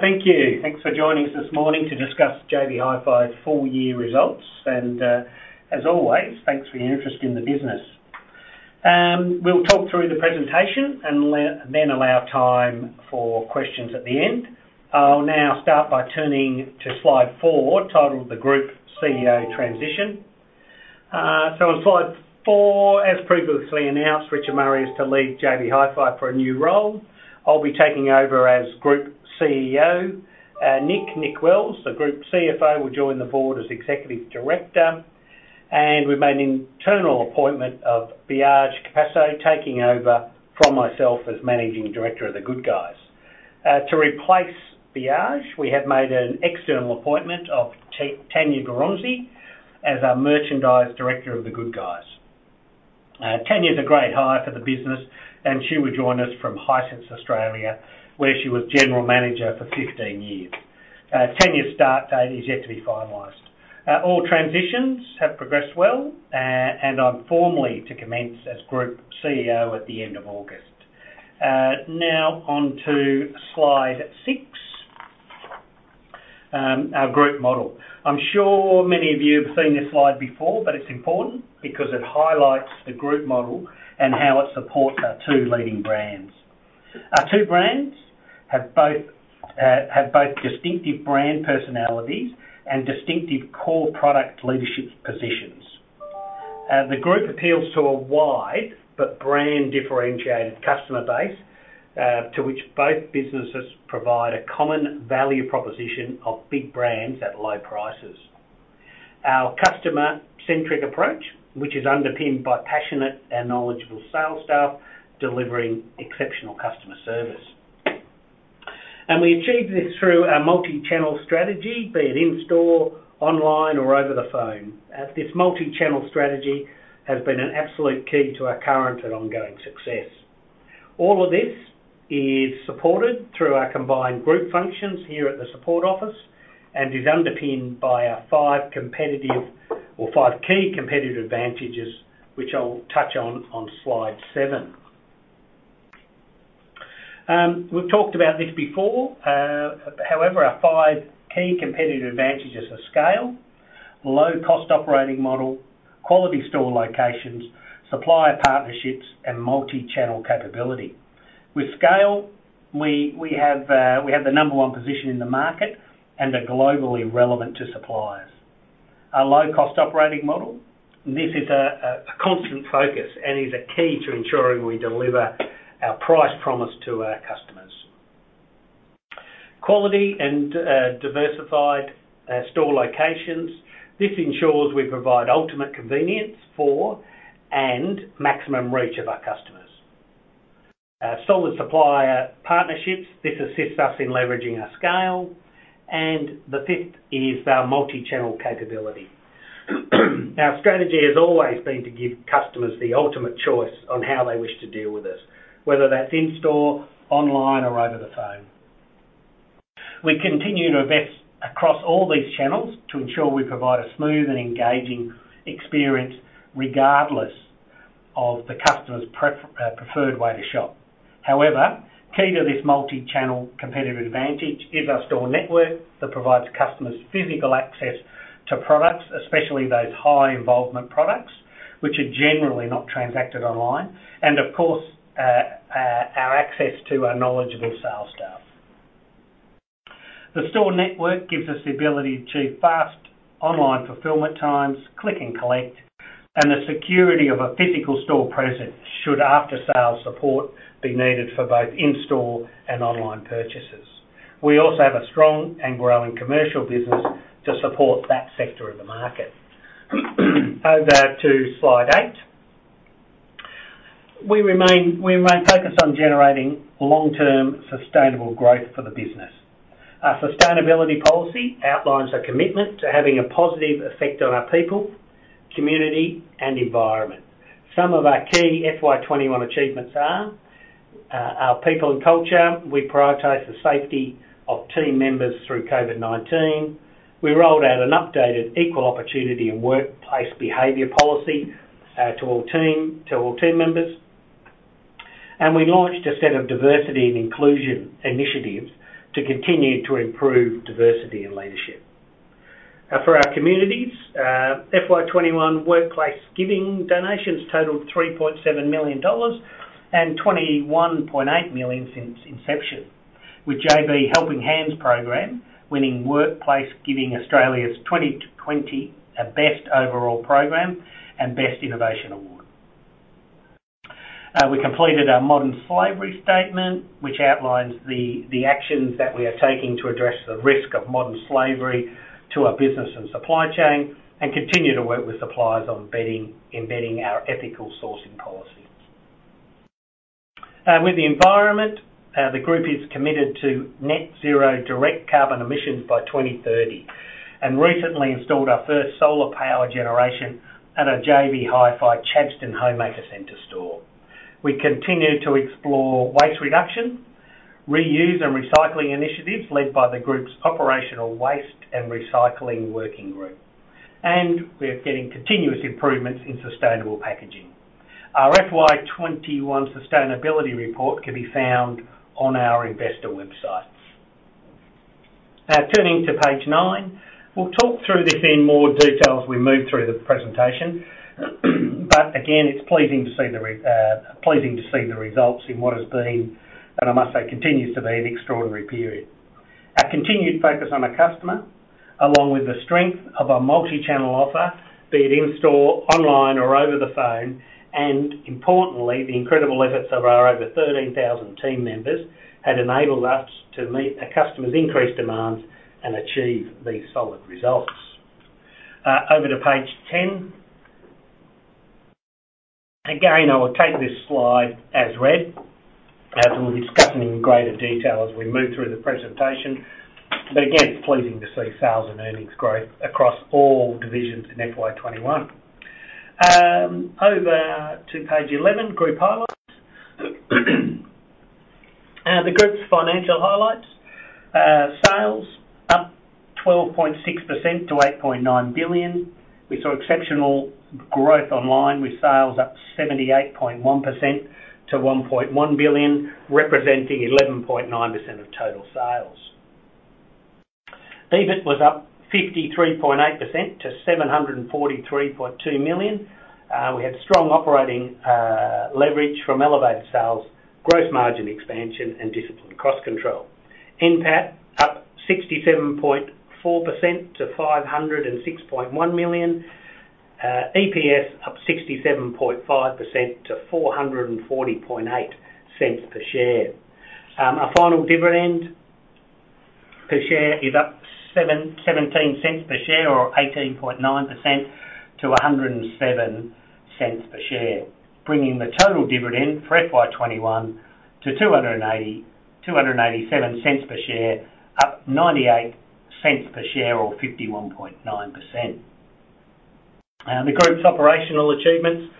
Thank you. Thanks for joining us this morning to discuss JB Hi-Fi's full-year results. As always, thanks for your interest in the business. We'll talk through the presentation and allow time for questions at the end. I'll now start by turning to slide four, titled The Group CEO Transition. On slide four, as previously announced, Richard Murray is to leave JB Hi-Fi for a new role. I'll be taking over as Group CEO. Nick Wells, the Group CFO, will join the board as Executive Director, and we've made an internal appointment of Biagio Capasso, taking over from myself as Managing Director of The Good Guys. To replace Biagio, we have made an external appointment of Tania Garonzi as our Merchandise Director of The Good Guys. Tania's a great hire for the business, and she will join us from Hisense Australia, where she was General Manager for 15 years. Tania's start date is yet to be finalized. All transitions have progressed well, and I'm formally to commence as Group CEO at the end of August. On to slide six, our group model. I'm sure many of you have seen this slide before, but it's important because it highlights the group model and how it supports our two leading brands. Our two brands have both distinctive brand personalities and distinctive core product leadership positions. The group appeals to a wide, but brand-differentiated customer base, to which both businesses provide a common value proposition of big brands at low prices. Our customer-centric approach, which is underpinned by passionate and knowledgeable sales staff delivering exceptional customer service. We achieve this through our multi-channel strategy, be it in-store, online, or over the phone. This multi-channel strategy has been an absolute key to our current and ongoing success. All of this is supported through our combined group functions here at the support office and is underpinned by our five key competitive advantages, which I'll touch on slide seven. We've talked about this before, however, our five key competitive advantages are scale, low-cost operating model, quality store locations, supplier partnerships, and multi-channel capability. With scale, we have the number one position in the market and are globally relevant to suppliers. Our low-cost operating model, this is a constant focus and is a key to ensuring we deliver our price promise to our customers. Quality and diversified store locations, this ensures we provide ultimate convenience for and maximum reach of our customers. Solid supplier partnerships, this assists us in leveraging our scale. The fifth is our multi-channel capability. Our strategy has always been to give customers the ultimate choice on how they wish to deal with us, whether that's in-store, online, or over the phone. We continue to invest across all these channels to ensure we provide a smooth and engaging experience regardless of the customer's preferred way to shop. However, key to this multi-channel competitive advantage is our store network that provides customers physical access to products, especially those high-involvement products, which are generally not transacted online. Of course, our access to our knowledgeable sales staff. The store network gives us the ability to achieve fast online fulfillment times, click and collect, and the security of a physical store presence should after-sale support be needed for both in-store and online purchases. We also have a strong and growing commercial business to support that sector of the market. Over to slide eight. We remain focused on generating long-term sustainable growth for the business. Our sustainability policy outlines our commitment to having a positive effect on our people, community, and environment. Some of our key FY21 achievements are our people and culture. We prioritize the safety of team members through COVID-19. We rolled out an updated equal opportunity and workplace behavior policy to all team members. We launched a set of diversity and inclusion initiatives to continue to improve diversity and leadership. For our communities, FY21 workplace giving donations totaled 3.7 million dollars and 21.8 million since inception, with JB Hi-Fi Helping Hands program winning Workplace Giving Australia's 2020 Best Overall Program and Best Innovation Award. We completed our modern slavery statement, which outlines the actions that we are taking to address the risk of modern slavery to our business and supply chain and continue to work with suppliers on embedding our ethical sourcing policy. With the environment, the group is committed to net zero direct carbon emissions by 2030 and recently installed our first solar power generation at our JB Hi-Fi Chadstone Homemaker Centre store. We continue to explore waste reduction, reuse, and recycling initiatives led by the group's operational waste and recycling working group. We're getting continuous improvements in sustainable packaging. Our FY21 sustainability report can be found on our investor website. Now turning to page nine. We'll talk through this in more detail as we move through the presentation, but again, it's pleasing to see the results in what has been, and I must say continues to be, an extraordinary period. Our continued focus on our customer, along with the strength of our multi-channel offer, be it in-store, online, or over the phone, and importantly, the incredible efforts of our over 13,000 team members, had enabled us to meet our customers' increased demands and achieve these solid results. Over to page 10. Again, I will take this slide as read, as we'll discuss it in greater detail as we move through the presentation. Again, it's pleasing to see sales and earnings growth across all divisions in FY 2021. Over to page 11, group highlights. The group's financial highlights. Sales up 12.6% to 8.9 billion. We saw exceptional growth online with sales up 78.1% to 1.1 billion, representing 11.9% of total sales. EBIT was up 53.8% to 743.2 million. We had strong operating leverage from elevated sales, gross margin expansion, and disciplined cost control. NPAT up 67.4% to 506.1 million. EPS up 67.5% to 4.408 per share. Our final dividend per share is up 0.17 per share or 18.9% to 1.07 per share, bringing the total dividend for FY 2021 to 2.87 per share, up 0.98 per share or 51.9%. The group's operational achievements.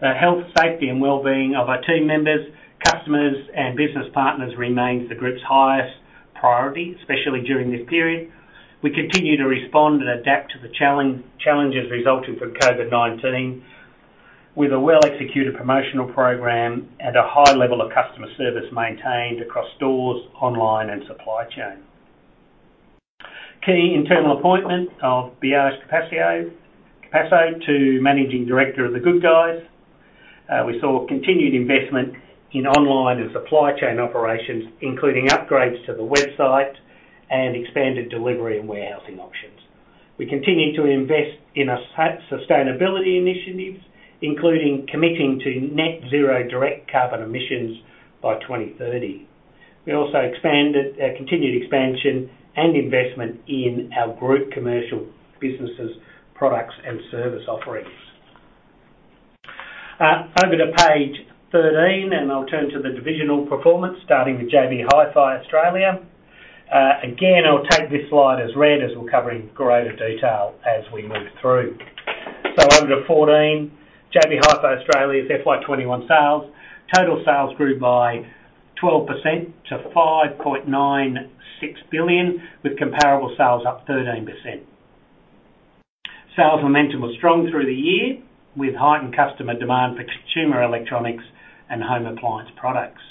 The health, safety, and wellbeing of our team members, customers, and business partners remains the group's highest priority, especially during this period. We continue to respond and adapt to the challenges resulting from COVID-19 with a well-executed promotional program and a high level of customer service maintained across stores, online, and supply chain. Key internal appointment of Biagio Capasso to Managing Director of The Good Guys. We saw continued investment in online and supply chain operations, including upgrades to the website and expanded delivery and warehousing options. We continued to invest in sustainability initiatives, including committing to net zero direct carbon emissions by 2030. We also continued expansion and investment in our group commercial businesses, products, and service offerings. Over to page 13, I'll turn to the divisional performance, starting with JB Hi-Fi Australia. I'll take this slide as read as we'll cover in greater detail as we move through. Over to 14, JB Hi-Fi Australia's FY21 sales. Total sales grew by 12% to 5.96 billion, with comparable sales up 13%. Sales momentum was strong through the year with heightened customer demand for consumer electronics and home appliance products.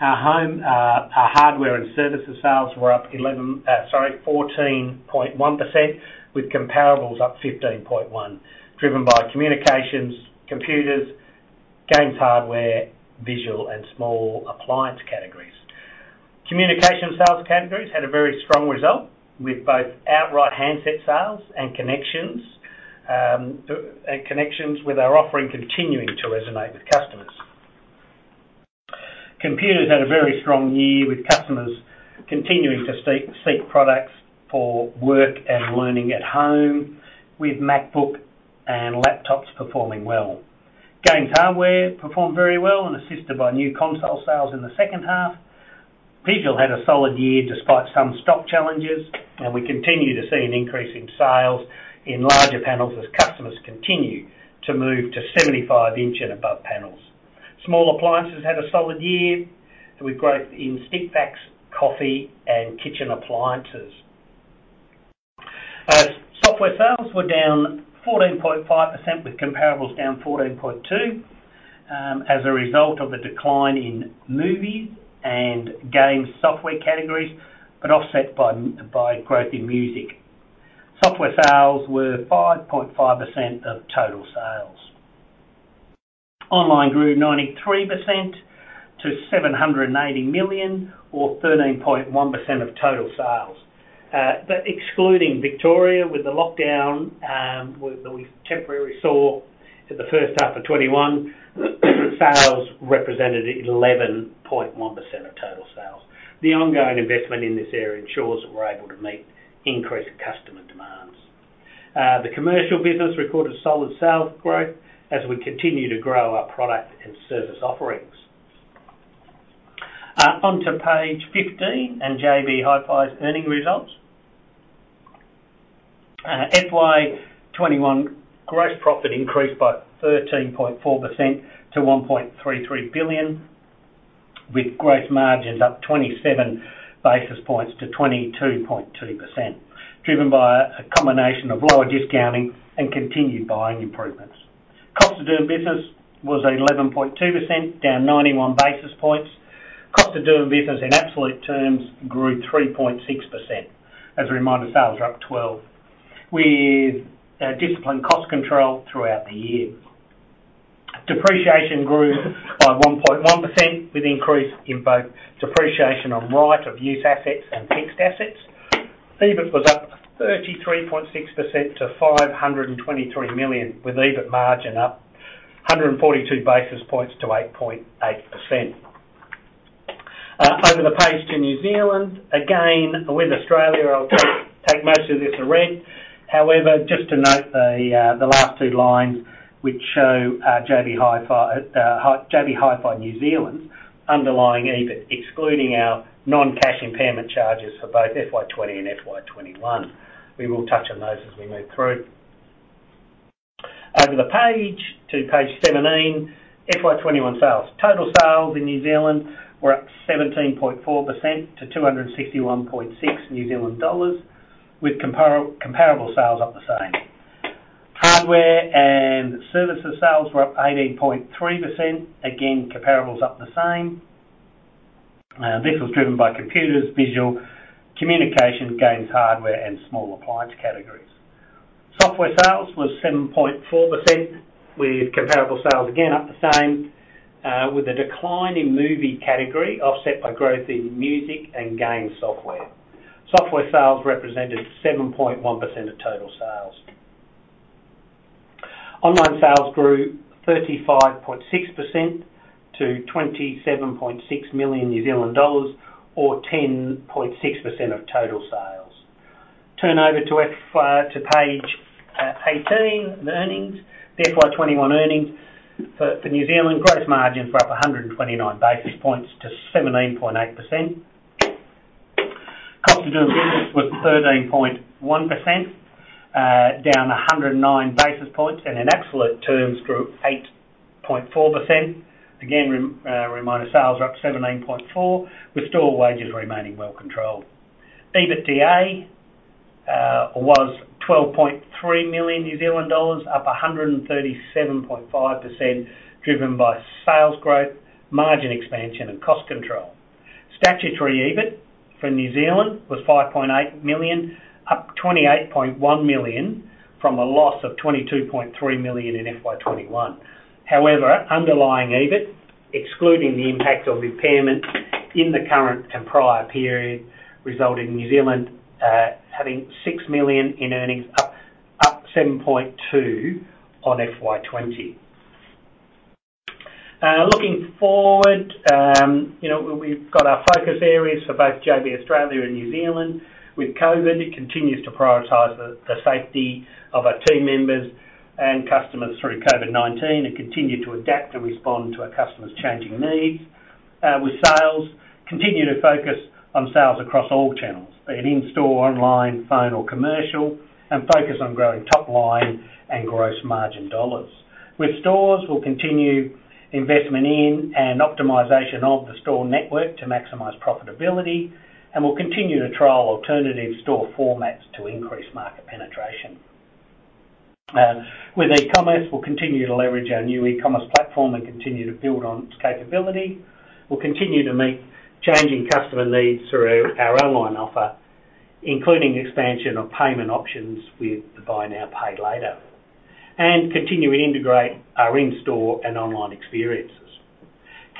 Our hardware and services sales were up 14.1%, with comparables up 15.1%, driven by communications, computers, games hardware, visual, and small appliance categories. Communication sales categories had a very strong result, with both outright handset sales and connections, with our offering continuing to resonate with customers. Computers had a very strong year, with customers continuing to seek products for work and learning at home, with MacBook and laptops performing well. Games hardware performed very well and assisted by new console sales in the second half. Visual had a solid year despite some stock challenges, and we continue to see an increase in sales in larger panels as customers continue to move to 75-inch and above panels. Small appliances had a solid year, with growth in stick vacs, coffee, and kitchen appliances. Software sales were down 14.5%, with comparables down 14.2%, as a result of the decline in movie and game software categories, but offset by growth in music. Software sales were 5.5% of total sales. Online grew 93% to 780 million or 13.1% of total sales. Excluding Victoria with the lockdown, we temporarily saw in the first half of FY21, sales represented 11.1% of total sales. The ongoing investment in this area ensures that we're able to meet increased customer demands. The commercial business recorded solid sales growth as we continue to grow our product and service offerings. Onto page 15 and JB Hi-Fi's earnings results. FY21 gross profit increased by 13.4% to 1.33 billion. With gross margins up 27 basis points to 22.2%, driven by a combination of lower discounting and continued buying improvements. CODB was 11.2%, down 91 basis points. CODB in absolute terms grew 3.6%. As a reminder, sales are up 12%, with disciplined cost control throughout the year. Depreciation grew by 1.1%, with increase in both depreciation on right of use assets and fixed assets. EBIT was up 33.6% to 523 million, with EBIT margin up 142 basis points to 8.8%. Over the page to New Zealand. Again, with Australia, I'll take most of this as read. However, just to note the last two lines, which show JB Hi-Fi New Zealand's underlying EBIT, excluding our non-cash impairment charges for both FY20 and FY21. We will touch on those as we move through. Over the page to page 17, FY21 sales. Total sales in New Zealand were up 17.4% to NZD 261.6, with comparable sales up the same. Hardware and services sales were up 18.3%. Again, comparables up the same. This was driven by computers, visual communication, games, hardware, and small appliance categories. Software sales was 7.4%, with comparable sales again up the same, with a decline in movie category offset by growth in music and game software. Software sales represented 7.1% of total sales. Online sales grew 35.6% to 27.6 million New Zealand dollars, or 10.6% of total sales. Turn over to page 18, the earnings. The FY21 earnings for New Zealand. Gross margins were up 129 basis points to 17.8%. Cost of doing business was 13.1%, down 109 basis points, and in absolute terms, grew 8.4%. Again, a reminder, sales are up 17.4%, with store wages remaining well controlled. EBITDA was NZD 12.3 million, up 137.5%, driven by sales growth, margin expansion, and cost control. Statutory EBIT from New Zealand was 5.8 million, up 28.1 million from a loss of 22.3 million in FY21. However, underlying EBIT, excluding the impact of impairment in the current and prior period, resulted in New Zealand having 6 million in earnings, up 7.2% on FY20. Looking forward, we've got our focus areas for both JB Hi-Fi Australia and JB Hi-Fi New Zealand. With COVID-19, it continues to prioritize the safety of our team members and customers through COVID-19, and continue to adapt and respond to our customers' changing needs. With sales, continue to focus on sales across all channels, be it in-store, online, phone, or commercial, and focus on growing top line and gross margin dollars. With stores, we'll continue investment in and optimization of the store network to maximize profitability, and we'll continue to trial alternative store formats to increase market penetration. With e-commerce, we'll continue to leverage our new e-commerce platform and continue to build on its capability. We'll continue to meet changing customer needs through our online offer, including expansion of payment options with the buy now, pay later. Continue to integrate our in-store and online experiences.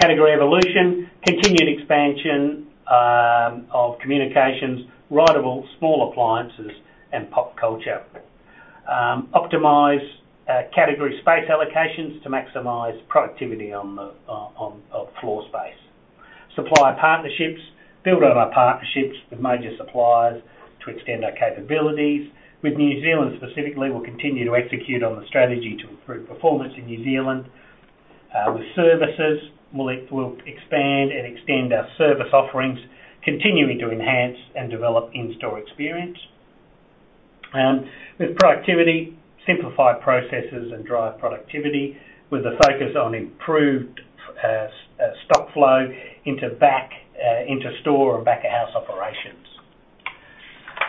Category evolution, continued expansion of communications, wearables, small appliances, and pop culture. Optimize category space allocations to maximize productivity of floor space. Supplier partnerships, build on our partnerships with major suppliers to extend our capabilities. With New Zealand specifically, we'll continue to execute on the strategy to improve performance in New Zealand. With services, we'll expand and extend our service offerings, continuing to enhance and develop in-store experience. With productivity, simplify processes and drive productivity with a focus on improved stock flow into store or back-of-house operations.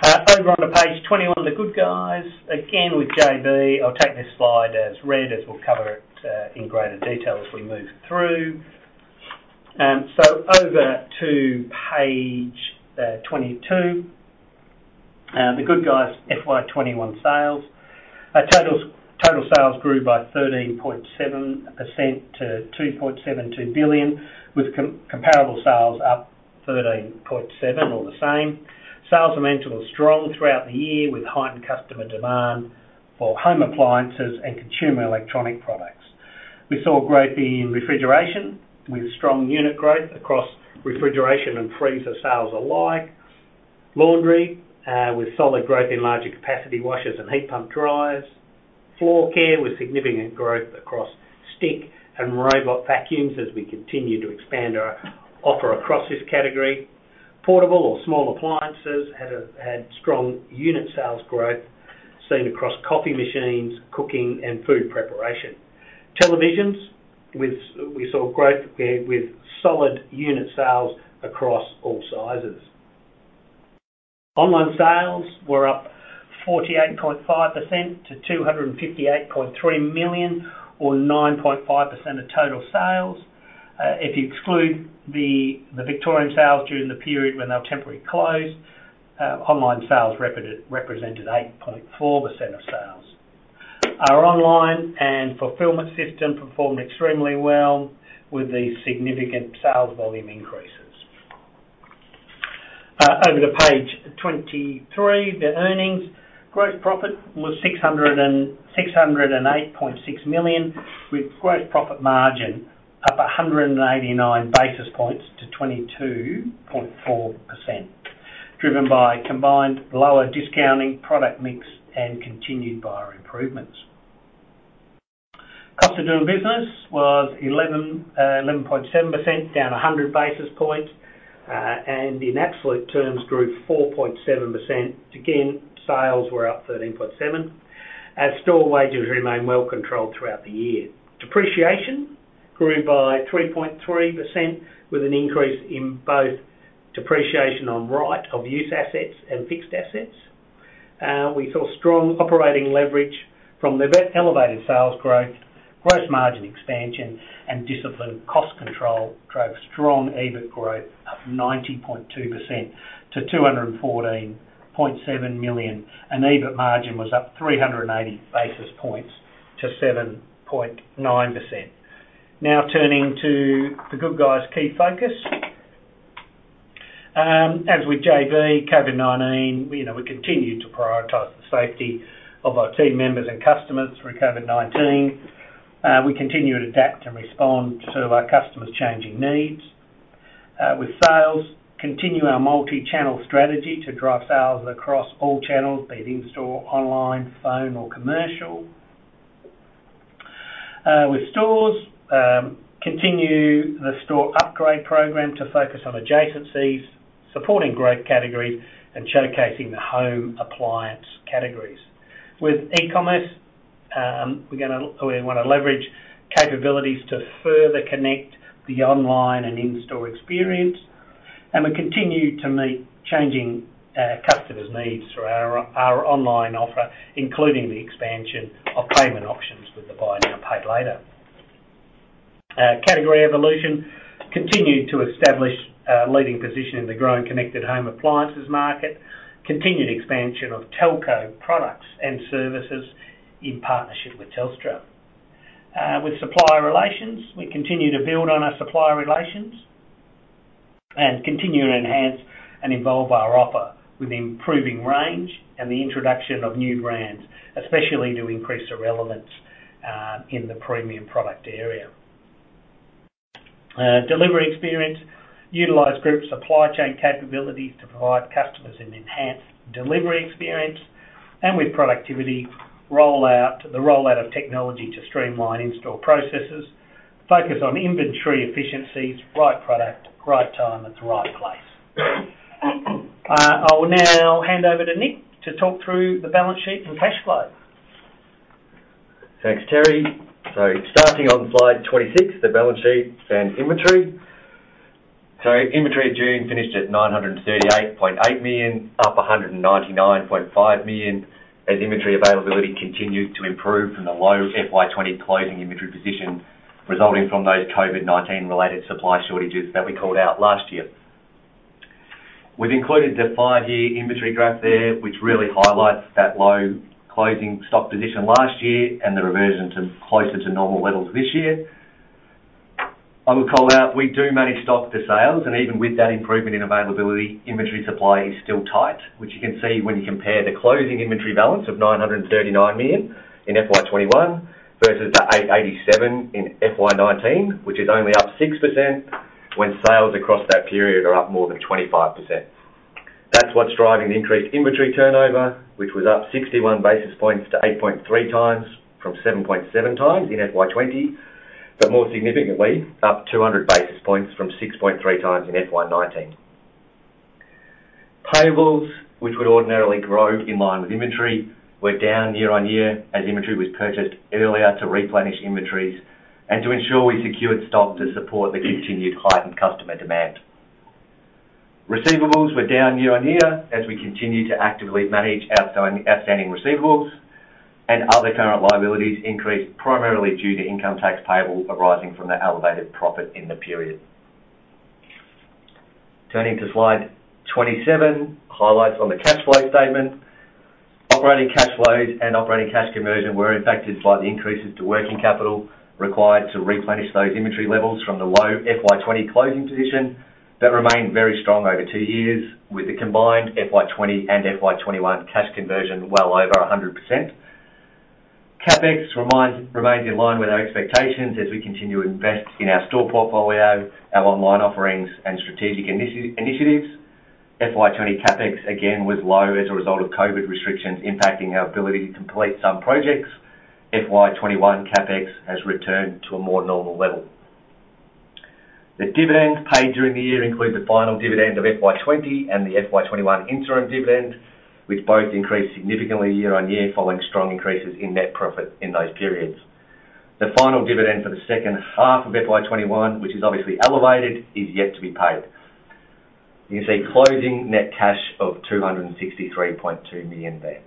Over on to page 21, The Good Guys. Again, with JB, I'll take this slide as read, as we'll cover it in greater detail as we move through. Over to page 22. The Good Guys FY 2021 sales. Total sales grew by 13.7% to 2.72 billion, with comparable sales up 13.7% or the same. Sales momentum was strong throughout the year with heightened customer demand for home appliances and consumer electronic products. We saw growth in refrigeration, with strong unit growth across refrigeration and freezer sales alike. Laundry, with solid growth in larger capacity washers and heat pump dryers. Floor care, with significant growth across stick and robot vacuums as we continue to expand our offer across this category. Portable or small appliances had strong unit sales growth seen across coffee machines, cooking, and food preparation. Televisions, we saw growth there with solid unit sales across all sizes. Online sales were up 48.5% to 258.3 million or 9.5% of total sales. If you exclude the Victorian sales during the period when they were temporarily closed, online sales represented 8.4% of sales. Our online and fulfillment system performed extremely well with the significant sales volume increases. Over to page 23, the earnings. Gross profit was 608.6 million, with gross profit margin up 189 basis points to 22.4%, driven by combined lower discounting, product mix, and continued buyer improvements. Cost of doing business was 11.7%, down 100 basis points, and in absolute terms, grew 4.7%. Sales were up 13.7%. Our store wages remained well controlled throughout the year. Depreciation grew by 3.3%, with an increase in both depreciation on right of use assets and fixed assets. We saw strong operating leverage from the elevated sales growth, gross margin expansion, and disciplined cost control, drove strong EBIT growth up 90.2% to 214.7 million, and EBIT margin was up 380 basis points to 7.9%. Turning to The Good Guys' key focus. As with JB, COVID-19, we continued to prioritize the safety of our team members and customers through COVID-19. We continued to adapt and respond to our customers' changing needs. With sales, continue our multi-channel strategy to drive sales across all channels, be it in-store, online, phone, or commercial. With stores, continue the store upgrade program to focus on adjacencies, supporting growth categories, and showcasing the home appliance categories. With e-commerce, we want to leverage capabilities to further connect the online and in-store experience, and we continue to meet changing customers' needs through our online offer, including the expansion of payment options with the buy now, pay later. Category evolution, continue to establish a leading position in the growing connected home appliances market. Continued expansion of telco products and services in partnership with Telstra. With supplier relations, we continue to build on our supplier relations and continue to enhance and evolve our offer with improving range and the introduction of new brands, especially to increase the relevance in the premium product area. Delivery experience, utilize group supply chain capabilities to provide customers an enhanced delivery experience. With productivity, the rollout of technology to streamline in-store processes. Focus on inventory efficiencies, right product, right time, at the right place. I will now hand over to Nick to talk through the balance sheet and cash flow. Thanks, Terry. Starting on slide 26, the balance sheet and inventory. Inventory at June finished at 938.8 million, up 199.5 million, as inventory availability continued to improve from the low FY20 closing inventory position, resulting from those COVID-19 related supply shortages that we called out last year. We've included the five-year inventory graph there, which really highlights that low closing stock position last year and the reversion to closer to normal levels this year. I would call out, we do manage stock to sales, and even with that improvement in availability, inventory supply is still tight, which you can see when you compare the closing inventory balance of 939 million in FY21 versus the 887 million in FY19, which is only up 6%, when sales across that period are up more than 25%. That's what's driving the increased inventory turnover, which was up 61 basis points to 8.3 times from 7.7 times in FY20, but more significantly, up 200 basis points from 6.3 times in FY19. Payables, which would ordinarily grow in line with inventory, were down year on year as inventory was purchased earlier to replenish inventories and to ensure we secured stock to support the continued heightened customer demand. Receivables were down year on year, as we continued to actively manage outstanding receivables, and other current liabilities increased primarily due to income tax payable arising from the elevated profit in the period. Turning to slide 27, highlights on the cash flow statement. Operating cash flows and operating cash conversion were impacted by the increases to working capital required to replenish those inventory levels from the low FY 2020 closing position that remained very strong over two years with the combined FY 2020 and FY 2021 cash conversion well over 100%. CapEx remains in line with our expectations as we continue to invest in our store portfolio, our online offerings, and strategic initiatives. FY 2020 CapEx, again, was low as a result of COVID restrictions impacting our ability to complete some projects. FY 2021 CapEx has returned to a more normal level. The dividends paid during the year include the final dividend of FY 2020 and the FY 2021 interim dividend, which both increased significantly year-on-year following strong increases in net profit in those periods. The final dividend for the second half of FY 2021, which is obviously elevated, is yet to be paid. You can see closing net cash of 263.2 million there.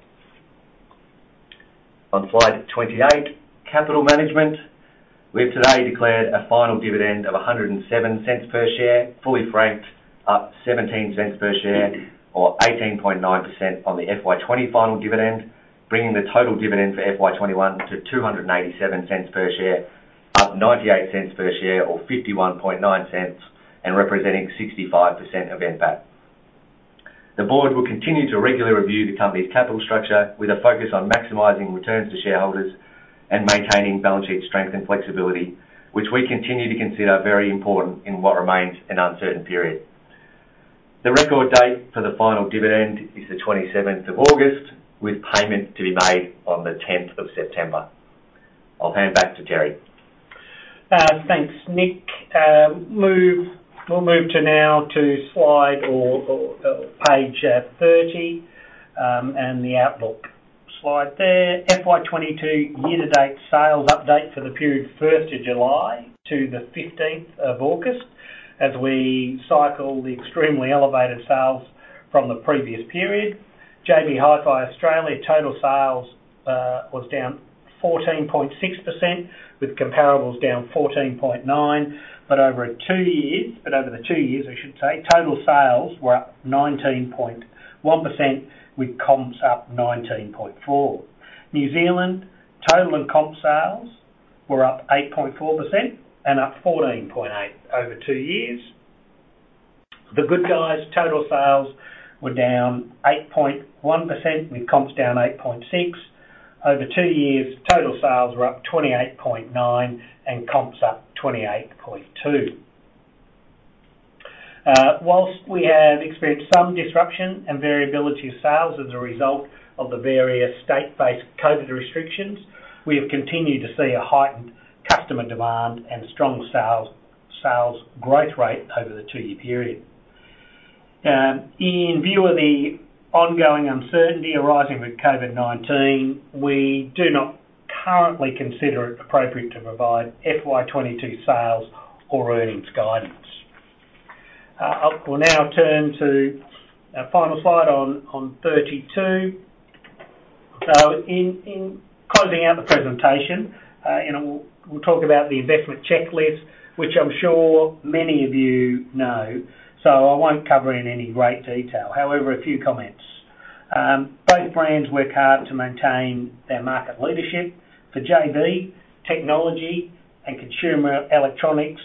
On slide 28, capital management. We've today declared a final dividend of 1.07 per share, fully franked, up 0.17 per share or 18.9% on the FY20 final dividend, bringing the total dividend for FY21 to 2.87 per share, up 0.98 per share or 0.519 and representing 65% of NPAT. The board will continue to regularly review the company's capital structure with a focus on maximizing returns to shareholders and maintaining balance sheet strength and flexibility, which we continue to consider very important in what remains an uncertain period. The record date for the final dividend is the 27th of August, with payment to be made on the 10th of September. I'll hand back to Terry. Thanks, Nick. We'll move to now to slide or page 30, the outlook slide there. FY22 year-to-date sales update for the period 1st of July to the 15th of August as we cycle the extremely elevated sales from the previous period. JB Hi-Fi Australia total sales was down 14.6%, with comparables down 14.9%. Over the two years, total sales were up 19.1%, with comps up 19.4%. New Zealand total and comp sales were up 8.4% and up 14.8% over two years. The Good Guys' total sales were down 8.1% with comps down 8.6%. Over two years, total sales were up 28.9% and comps up 28.2%. Whilst we have experienced some disruption and variability of sales as a result of the various state-based COVID restrictions, we have continued to see a heightened customer demand and strong sales growth rate over the two-year period. In view of the ongoing uncertainty arising with COVID-19, we do not currently consider it appropriate to provide FY22 sales or earnings guidance. We'll now turn to our final slide on 32. In closing out the presentation, we'll talk about the investment checklist, which I'm sure many of you know, so I won't cover in any great detail. However, a few comments. Both brands work hard to maintain their market leadership. For JB, technology and consumer electronics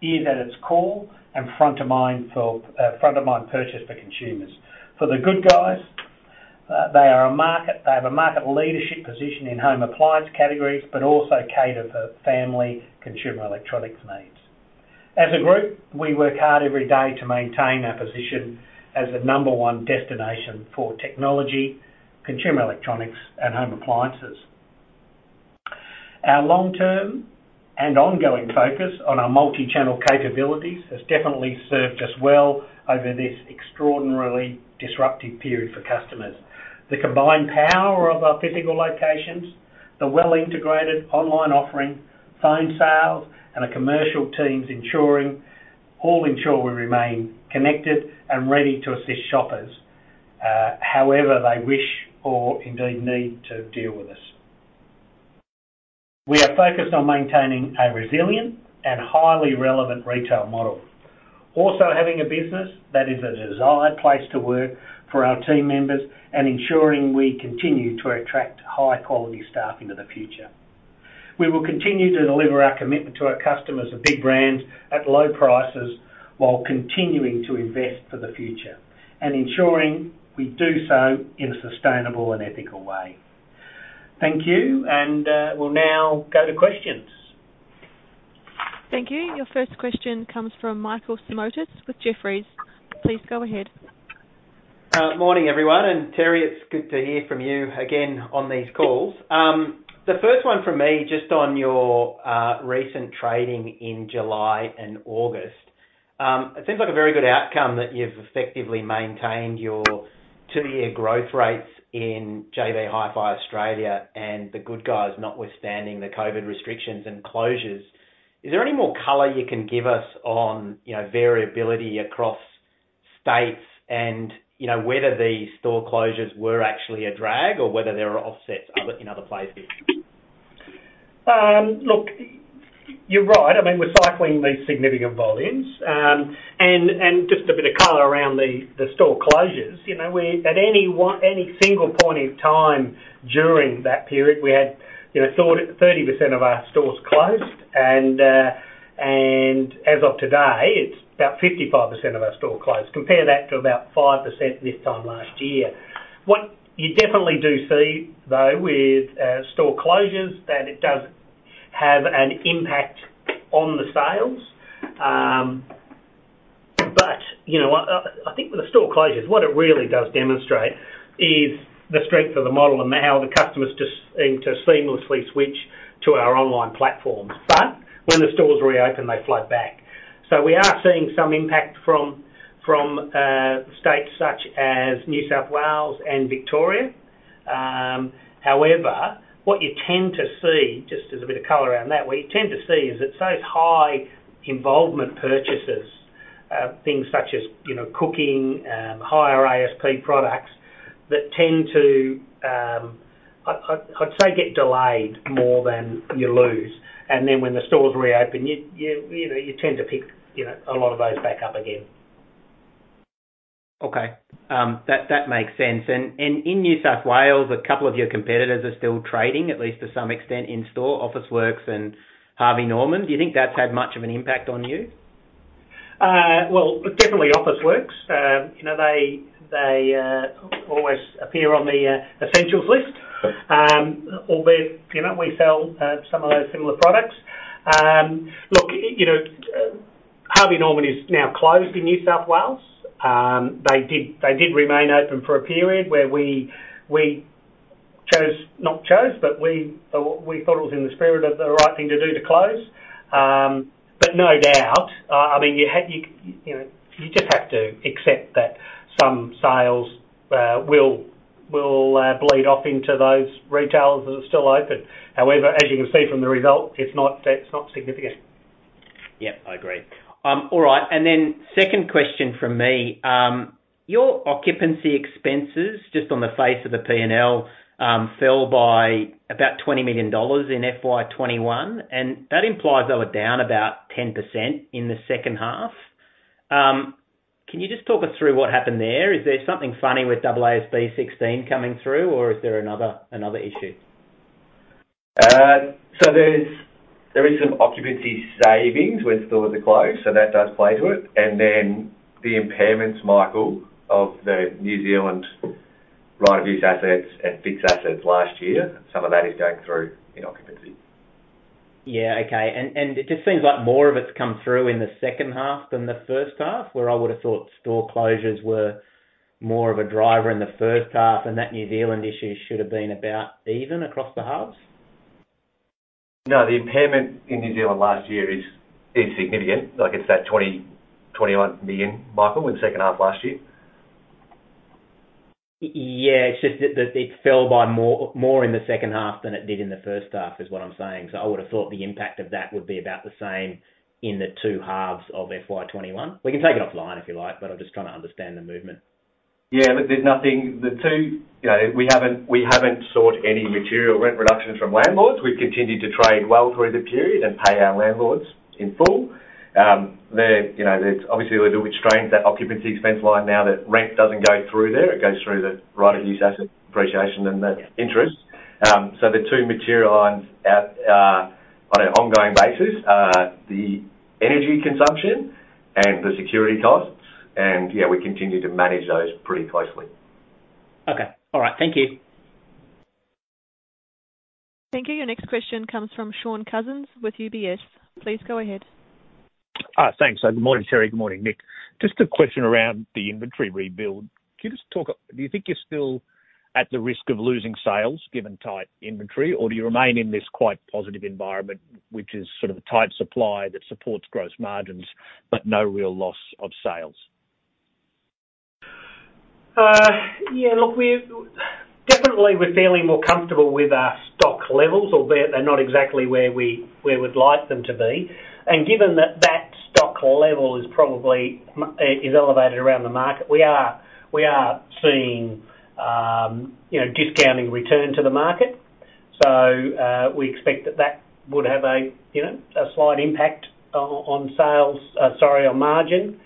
is at its core and front of mind purchase for consumers. For The Good Guys, they have a market leadership position in home appliance categories, but also cater for family consumer electronics needs. As a group, we work hard every day to maintain our position as the number one destination for technology, consumer electronics, and home appliances. Our long-term and ongoing focus on our multi-channel capabilities has definitely served us well over this extraordinarily disruptive period for customers. The combined power of our physical locations, the well-integrated online offering, phone sales, and our commercial teams all ensure we remain connected and ready to assist shoppers however they wish or indeed need to deal with us. We are focused on maintaining a resilient and highly relevant retail model. Also having a business that is a desired place to work for our team members and ensuring we continue to attract high-quality staff into the future. We will continue to deliver our commitment to our customers of big brands at low prices while continuing to invest for the future and ensuring we do so in a sustainable and ethical way. Thank you, and we'll now go to questions. Thank you. Your first question comes from Michael Simotas with Jefferies. Please go ahead. Morning, everyone, Terry, it's good to hear from you again on these calls. The first one from me, just on your recent trading in July and August. It seems like a very good outcome that you've effectively maintained your two-year growth rates in JB Hi-Fi Australia and The Good Guys, notwithstanding the COVID restrictions and closures. Is there any more color you can give us on variability across states and whether these store closures were actually a drag or whether there are offsets in other places? Look, you're right. We're cycling these significant volumes. Just a bit of color around the store closures. At any single point in time during that period, we had 30% of our stores closed, and as of today, it's about 55% of our stores closed. Compare that to about 5% this time last year. What you definitely do see, though, with store closures, that it does have an impact on the sales. I think with the store closures, what it really does demonstrate is the strength of the model and how the customers just seem to seamlessly switch to our online platforms. When the stores reopen, they flood back. We are seeing some impact from states such as New South Wales and Victoria. However, what you tend to see, just as a bit of color around that, what you tend to see is it's those high-involvement purchases, things such as cooking, higher ASP products, that tend to, I'd say, get delayed more than you lose. When the stores reopen, you tend to pick a lot of those back up again. Okay. That makes sense. In New South Wales, a couple of your competitors are still trading, at least to some extent, in-store, Officeworks and Harvey Norman. Do you think that's had much of an impact on you? Well, definitely Officeworks. They always appear on the essentials list, albeit we sell some of those similar products. Look, Harvey Norman is now closed in New South Wales. They did remain open for a period where we thought it was in the spirit of the right thing to do to close. No doubt, you just have to accept that some sales will bleed off into those retailers that are still open. As you can see from the results, it's not significant. Yep, I agree. All right. Second question from me. Your occupancy expenses, just on the face of the P&L, fell by about 20 million dollars in FY 2021. That implies they were down about 10% in the second half. Can you just talk us through what happened there? Is there something funny with AASB 16 coming through, or is there another issue? There is some occupancy savings with stores that closed, so that does play to it. Then the impairments, Michael, of the New Zealand right-of-use assets and fixed assets last year, some of that is going through in occupancy. Yeah, okay. It just seems like more of it's come through in the second half than the first half, where I would've thought store closures were more of a driver in the first half, and that New Zealand issue should've been about even across the halves. No, the impairment in New Zealand last year is significant. Like I said, 20 million, 21 million, Michael, in the second half last year. Yeah, it's just that it fell by more in the second half than it did in the first half, is what I'm saying. I would've thought the impact of that would be about the same in the two halves of FY 2021. We can take it offline if you like, but I'm just trying to understand the movement. Yeah, look, we haven't sought any material rent reductions from landlords. We've continued to trade well through the period and pay our landlords in full. There's obviously a little bit strained, that occupancy expense line now that rent doesn't go through there. It goes through the right-of-use asset depreciation and the interest. The two material lines on an ongoing basis are the energy consumption and the security costs, and yeah, we continue to manage those pretty closely. Okay. All right. Thank you. Thank you. Your next question comes from Shaun Cousins with UBS. Please go ahead. Thanks. Good morning, Terry. Good morning, Nick. Just a question around the inventory rebuild. Do you think you're still at the risk of losing sales given tight inventory, or do you remain in this quite positive environment, which is sort of a tight supply that supports gross margins, but no real loss of sales? Yeah, look, definitely we're feeling more comfortable with our stock levels, albeit they're not exactly where we would like them to be. Given that that stock level is probably elevated around the market, we are seeing discounting return to the market. We expect that that would have a slight impact on margin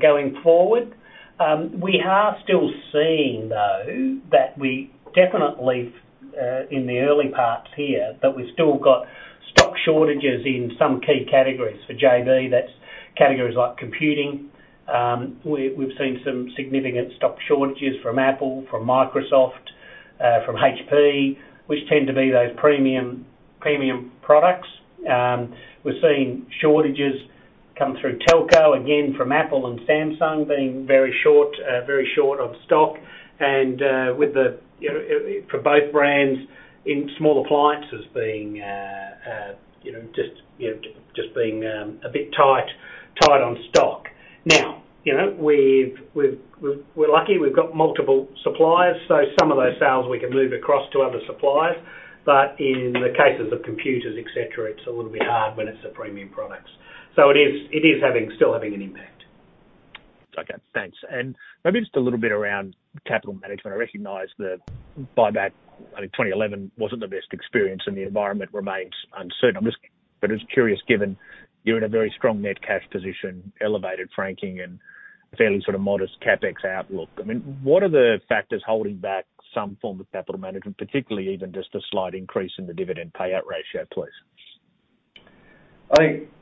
going forward. We are still seeing, though, that we definitely, in the early parts here, that we've still got stock shortages in some key categories. For JB, that's categories like computing. We've seen some significant stock shortages from Apple, from Microsoft, from HP, which tend to be those premium products. We're seeing shortages come through telco, again from Apple and Samsung being very short of stock, and for both brands in small appliances just being a bit tight on stock. We're lucky we've got multiple suppliers. Some of those sales we can move across to other suppliers. In the cases of computers, et cetera, it's a little bit hard when it's the premium products. It is still having an impact. Okay, thanks. Maybe just a little bit around capital management. I recognize the buyback in 2011 wasn't the best experience, and the environment remains uncertain. I'm just curious, given you're in a very strong net cash position, elevated franking, and fairly modest CapEx outlook, what are the factors holding back some form of capital management, particularly even just a slight increase in the dividend payout ratio, please?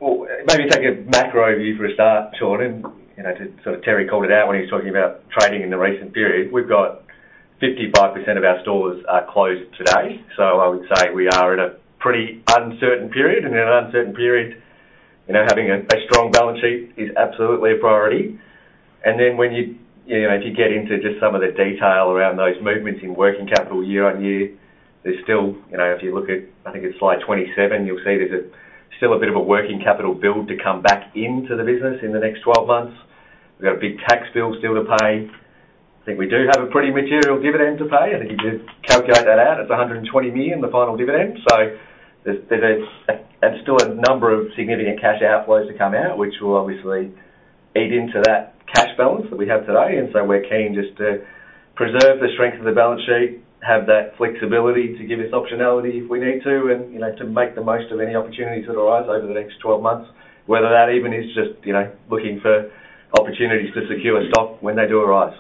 Well, maybe take a macro view for a start, Shaun, as Terry called it out when he was talking about trading in the recent period, 55% of our stores are closed today. I would say we are at a pretty uncertain period, in an uncertain period, having a strong balance sheet is absolutely a priority. If you get into just some of the detail around those movements in working capital year-over-year, look at, I think it's slide 27, you'll see there's still a bit of a working capital build to come back into the business in the next 12 months. We've got a big tax bill still to pay. I think we do have a pretty material dividend to pay. I think if you calculate that out, it's 120 million, the final dividend. There's still a number of significant cash outflows to come out, which will obviously eat into that cash balance that we have today. We're keen just to preserve the strength of the balance sheet, have that flexibility to give us optionality if we need to, and to make the most of any opportunities that arise over the next 12 months, whether that even is just looking for opportunities to secure stock when they do arise.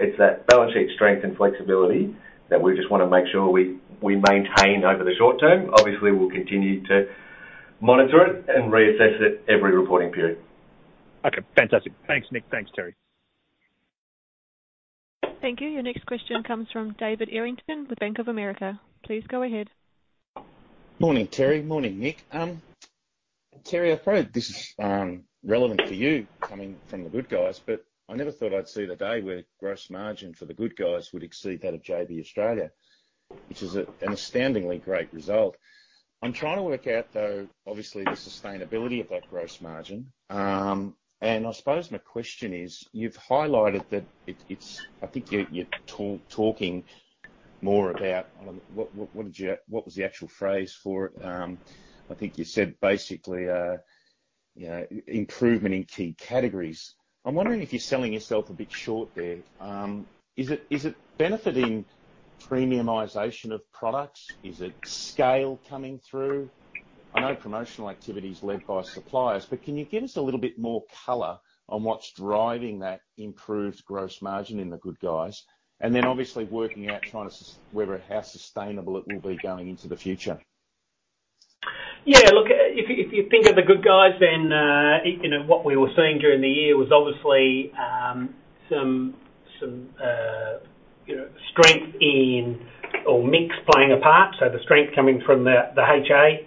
It's that balance sheet strength and flexibility that we just want to make sure we maintain over the short term. Obviously, we'll continue to monitor it and reassess it every reporting period. Okay, fantastic. Thanks, Nick. Thanks, Terry. Thank you. Your next question comes from David Errington, the Bank of America. Please go ahead. Morning, Terry. Morning, Nick. Terry, I thought this is relevant to you coming from The Good Guys, but I never thought I'd see the day where gross margin for The Good Guys would exceed that of JB Hi-Fi Australia, which is an astoundingly great result. I'm trying to work out, though, obviously, the sustainability of that gross margin. I suppose my question is, you've highlighted that I think you're talking more about, what was the actual phrase for it? I think you said basically, improvement in key categories. I'm wondering if you're selling yourself a bit short there. Is it benefiting premiumization of products? Is it scale coming through? I know promotional activity is led by suppliers, but can you give us a little bit more color on what's driving that improved gross margin in The Good Guys? Obviously working out how sustainable it will be going into the future. Yeah, look, if you think of The Good Guys, what we were seeing during the year was obviously some strength or mix playing a part. The strength coming from the HA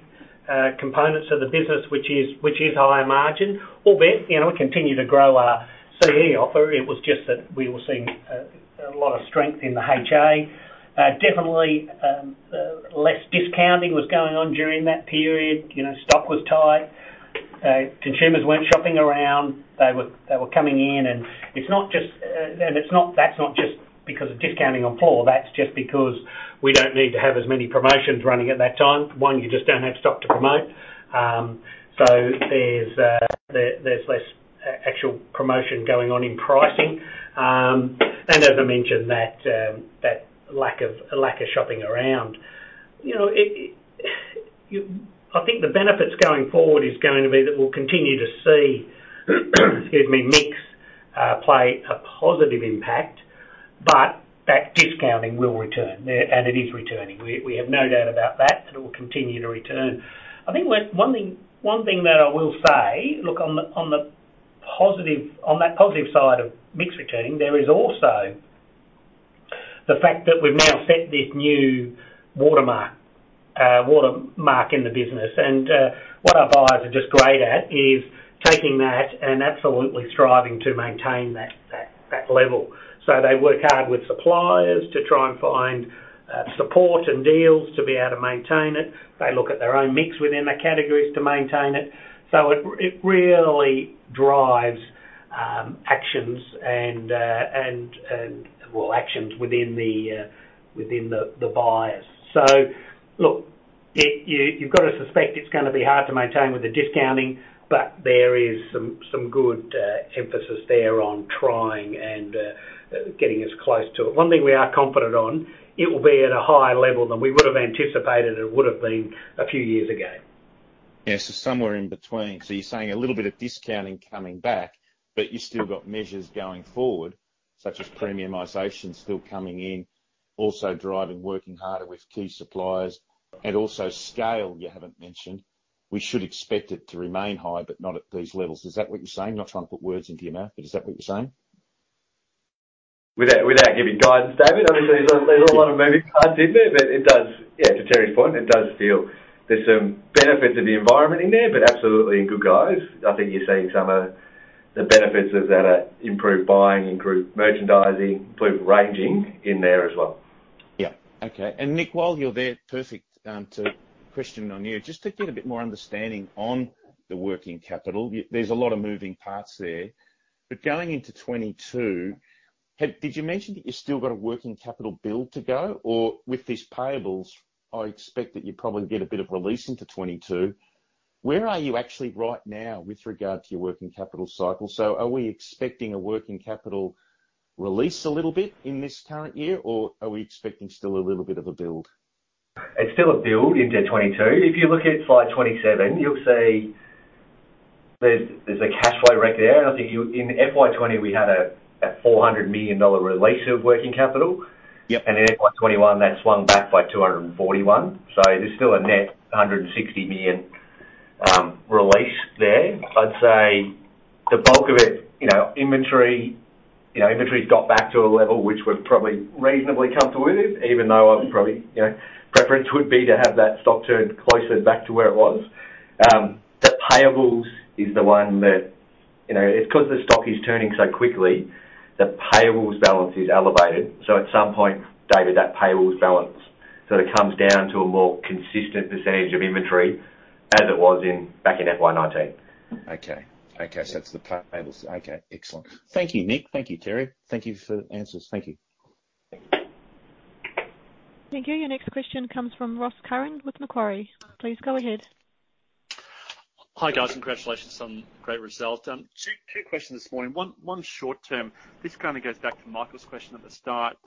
components of the business, which is higher margin, albeit, we continue to grow our CE offer. It was just that we were seeing a lot of strength in the HA. Definitely, less discounting was going on during that period. Stock was tight. Consumers weren't shopping around. They were coming in. That’s not just because of discounting on floor, that’s just because we don’t need to have as many promotions running at that time. One, you just don’t have stock to promote. There’s less actual promotion going on in pricing. As I mentioned, that lack of shopping around. I think the benefits going forward is going to be that we'll continue to see excuse me, mix play a positive impact, but that discounting will return. It is returning. We have no doubt about that it will continue to return. I think one thing that I will say, look, on that positive side of mix returning, there is also the fact that we've now set this new watermark in the business. What our buyers are just great at is taking that and absolutely striving to maintain that level. They work hard with suppliers to try and find support and deals to be able to maintain it. They look at their own mix within the categories to maintain it. It really drives actions within the buyers. You've got to suspect it's going to be hard to maintain with the discounting, but there is some good emphasis there on trying and getting us close to it. One thing we are confident on, it will be at a higher level than we would've anticipated it would have been a few years ago. Yeah. Somewhere in between. You're saying a little bit of discounting coming back, but you still got measures going forward, such as premiumization still coming in, also driving working harder with key suppliers, and also scale you haven't mentioned. We should expect it to remain high, but not at these levels. Is that what you're saying? Not trying to put words into your mouth, but is that what you're saying? Without giving guidance, David, obviously, there's a lot of moving parts in there, but it does, to Terry's point, it does feel there's some benefits of the environment in there, but absolutely in Good Guys, I think you're seeing some of the benefits of that improved buying, improved merchandising, improved ranging in there as well. Yeah. Okay. Nick, while you're there, perfect to question on you. Just to get a bit more understanding on the working capital. There's a lot of moving parts there. Going into 2022, did you mention that you still got a working capital build to go? With these payables, I expect that you probably get a bit of release into 2022. Where are you actually right now with regard to your working capital cycle? Are we expecting a working capital release a little bit in this current year, or are we expecting still a little bit of a build? It's still a build into 2022. If you look at slide 27, you'll see there's a cash flow rec there. I think in FY 2020, we had a 400 million dollar release of working capital. Yep. In FY21, that swung back by 241. There's still a net 160 million release there. The bulk of it, inventory's got back to a level which we're probably reasonably comfortable with, even though preference would be to have that stock turned closer back to where it was. Payables is the one that, because the stock is turning so quickly, the payables balance is elevated. At some point, David, that payables balance sort of comes down to a more consistent percentage of inventory as it was back in FY19. Okay. That's the payables. Okay, excellent. Thank you, Nick. Thank you, Terry. Thank you for the answers. Thank you. Thank you. Your next question comes from Ross Curran with Macquarie. Please go ahead. Hi, guys. Congratulations on a great result. Two questions this morning. One short term. This kind of goes back to Michael's question at the start.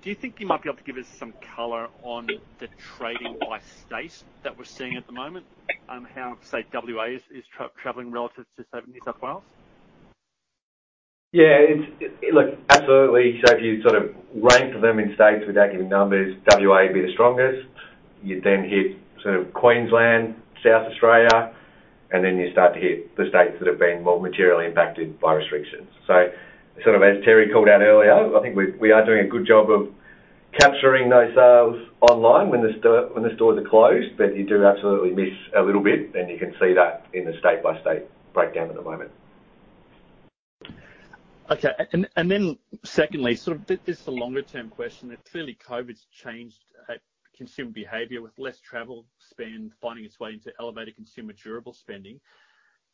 Do you think you might be able to give us some color on the trading by state that we're seeing at the moment, how, say, W.A. is traveling relative to, say, New South Wales? Yeah. Look, absolutely. If you sort of rank them in states without giving numbers, WA would be the strongest. You'd hit Queensland, South Australia, and then you start to hit the states that have been more materially impacted by restrictions. As Terry called out earlier, I think we are doing a good job of capturing those sales online when the stores are closed, but you do absolutely miss a little bit, and you can see that in the state-by-state breakdown at the moment. Okay. Secondly, this is a longer-term question, that clearly COVID's changed consumer behavior with less travel spend finding its way into elevated consumer durable spending.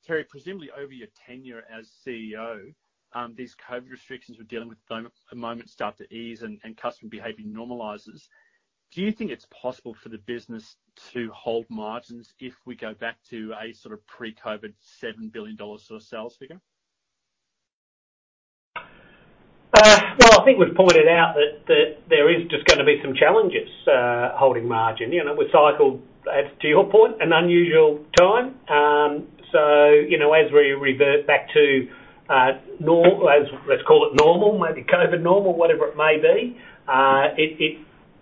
Terry, presumably over your tenure as CEO, these COVID restrictions we're dealing with at the moment start to ease and customer behavior normalizes. Do you think it's possible for the business to hold margins if we go back to a pre-COVID 7 billion dollars sales figure? I think we've pointed out that there is just going to be some challenges holding margin. We cycled, to your point, an unusual time. As we revert back to, let's call it normal, maybe COVID normal, whatever it may be,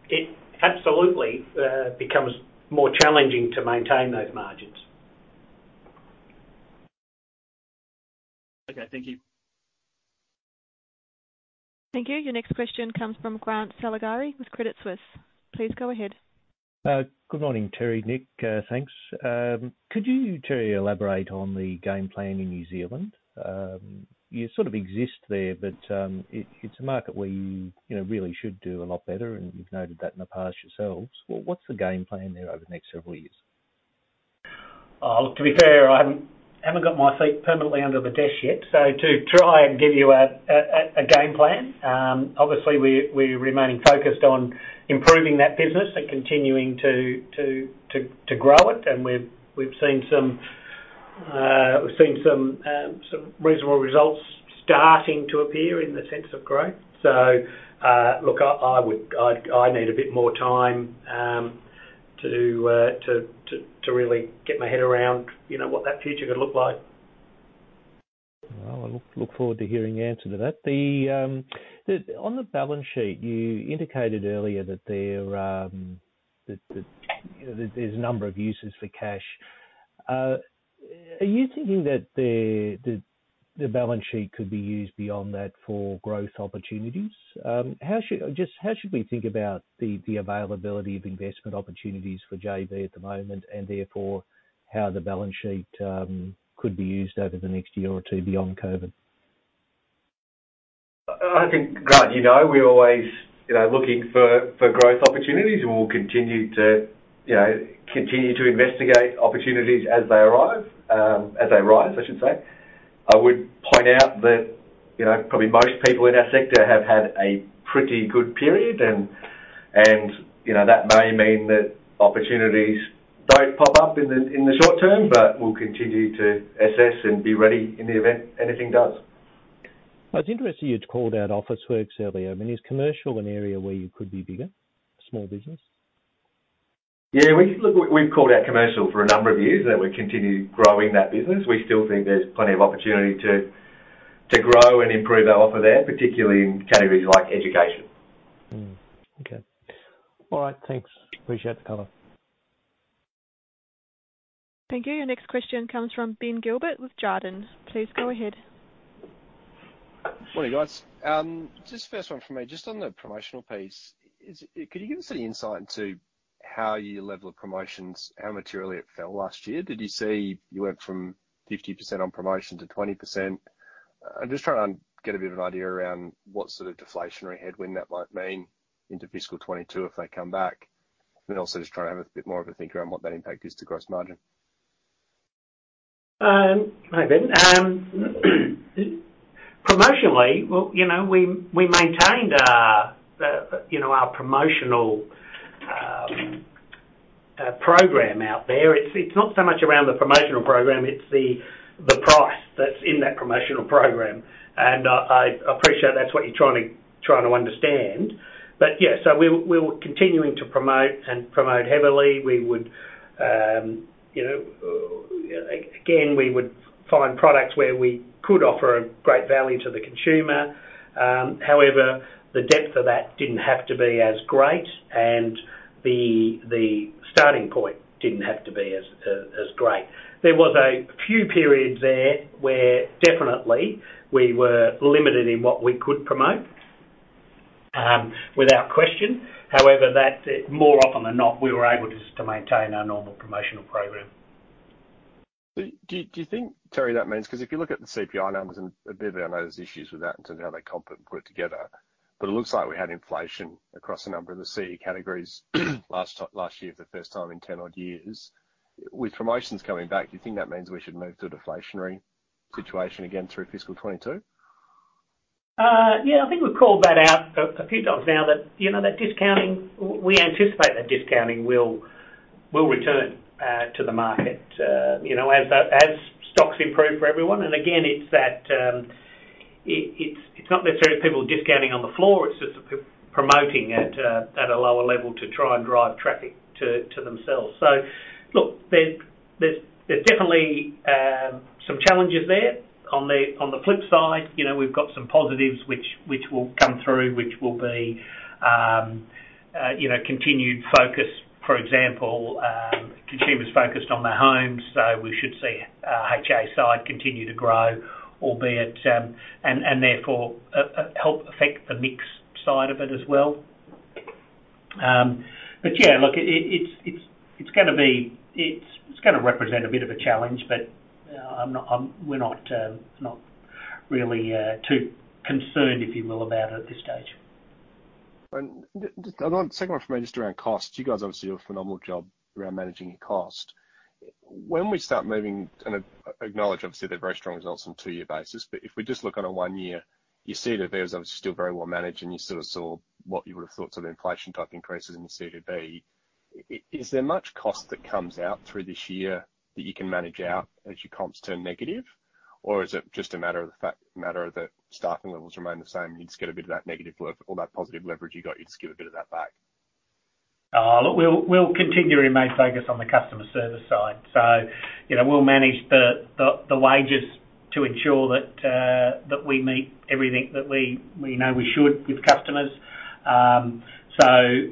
it absolutely becomes more challenging to maintain those margins. Okay. Thank you. Thank you. Your next question comes from Grant Saligari with Credit Suisse. Please go ahead. Good morning, Terry, Nick. Thanks. Could you, Terry, elaborate on the game plan in New Zealand? You sort of exist there, but it's a market where you really should do a lot better, and you've noted that in the past yourselves. What's the game plan there over the next several years? Look, to be fair, I haven't got my seat permanently under the desk yet. To try and give you a game plan, obviously we're remaining focused on improving that business and continuing to grow it. We've seen some reasonable results starting to appear in the sense of growth. Look, I need a bit more time to really get my head around what that future could look like. Well, I look forward to hearing the answer to that. On the balance sheet, you indicated earlier that there's a number of uses for cash. Are you thinking that the balance sheet could be used beyond that for growth opportunities? How should we think about the availability of investment opportunities for JB at the moment, and therefore how the balance sheet could be used over the next year or two beyond COVID? I think, Grant, you know we're always looking for growth opportunities, and we'll continue to investigate opportunities as they arise. I would point out that probably most people in our sector have had a pretty good period, and that may mean that opportunities don't pop up in the short term, but we'll continue to assess and be ready in the event anything does. It's interesting you'd called out Officeworks earlier. Is commercial an area where you could be bigger? Small business. Yeah. Look, we've called out commercial for a number of years, and that we're continuing growing that business. We still think there's plenty of opportunity to grow and improve our offer there, particularly in categories like education. Okay. All right, thanks. Appreciate the color. Thank you. Your next question comes from Ben Gilbert with Jarden. Please go ahead. Morning, guys. Just first one from me, just on the promotional piece. Could you give us any insight into how your level of promotions, how materially it fell last year? Did you see you went from 50% on promotion to 20%? I'm just trying to get a bit of an idea around what sort of deflationary headwind that might mean into FY 2022 if they come back. Also just trying to have a bit more of a think around what that impact is to gross margin. Hi, Ben. Promotionally, we maintained our promotional program out there. It's not so much around the promotional program, it's the price that's in that promotional program. I appreciate that's what you're trying to understand. We're continuing to promote and promote heavily. Again, we would find products where we could offer a great value to the consumer. However, the depth of that didn't have to be as great, and the starting point didn't have to be as great. There was a few periods there where definitely we were limited in what we could promote, without question. However, more often than not, we were able just to maintain our normal promotional program. Do you think, Terry, that means, because if you look at the CPI numbers and a bit of those issues with that in terms of how they comp it and put it together, but it looks like we had inflation across a number of the CE categories last year for the first time in 10 odd years. With promotions coming back, do you think that means we should move to a deflationary situation again through FY 2022? I think we've called that out a few times now that discounting, we anticipate that discounting will return to the market as stocks improve for everyone. Again, it's not necessarily people discounting on the floor, it's just promoting at a lower level to try and drive traffic to themselves. Look, there's definitely some challenges there. On the flip side, we've got some positives which will come through, which will be continued focus, for example, consumers focused on their homes. We should see HA side continue to grow, albeit, and therefore, help affect the mix side of it as well. Yeah, look, it's going to represent a bit of a challenge, but we're not really too concerned, if you will, about it at this stage. Just another second one for me, just around cost. You guys obviously do a phenomenal job around managing your cost. When we start moving, and acknowledge obviously they're very strong results on two-year basis, but if we just look on a one year, you see that there was obviously still very well managed and you sort of saw what you would have thought sort of inflation type increases in the CODB. Is there much cost that comes out through this year that you can manage out as your comps turn negative? Or is it just a matter of the staffing levels remain the same, you just get a bit of that negative lever-- or that positive leverage you got, you just give a bit of that back? Look, we'll continue to remain focused on the customer service side. We'll manage the wages to ensure that we meet everything that we know we should with customers. I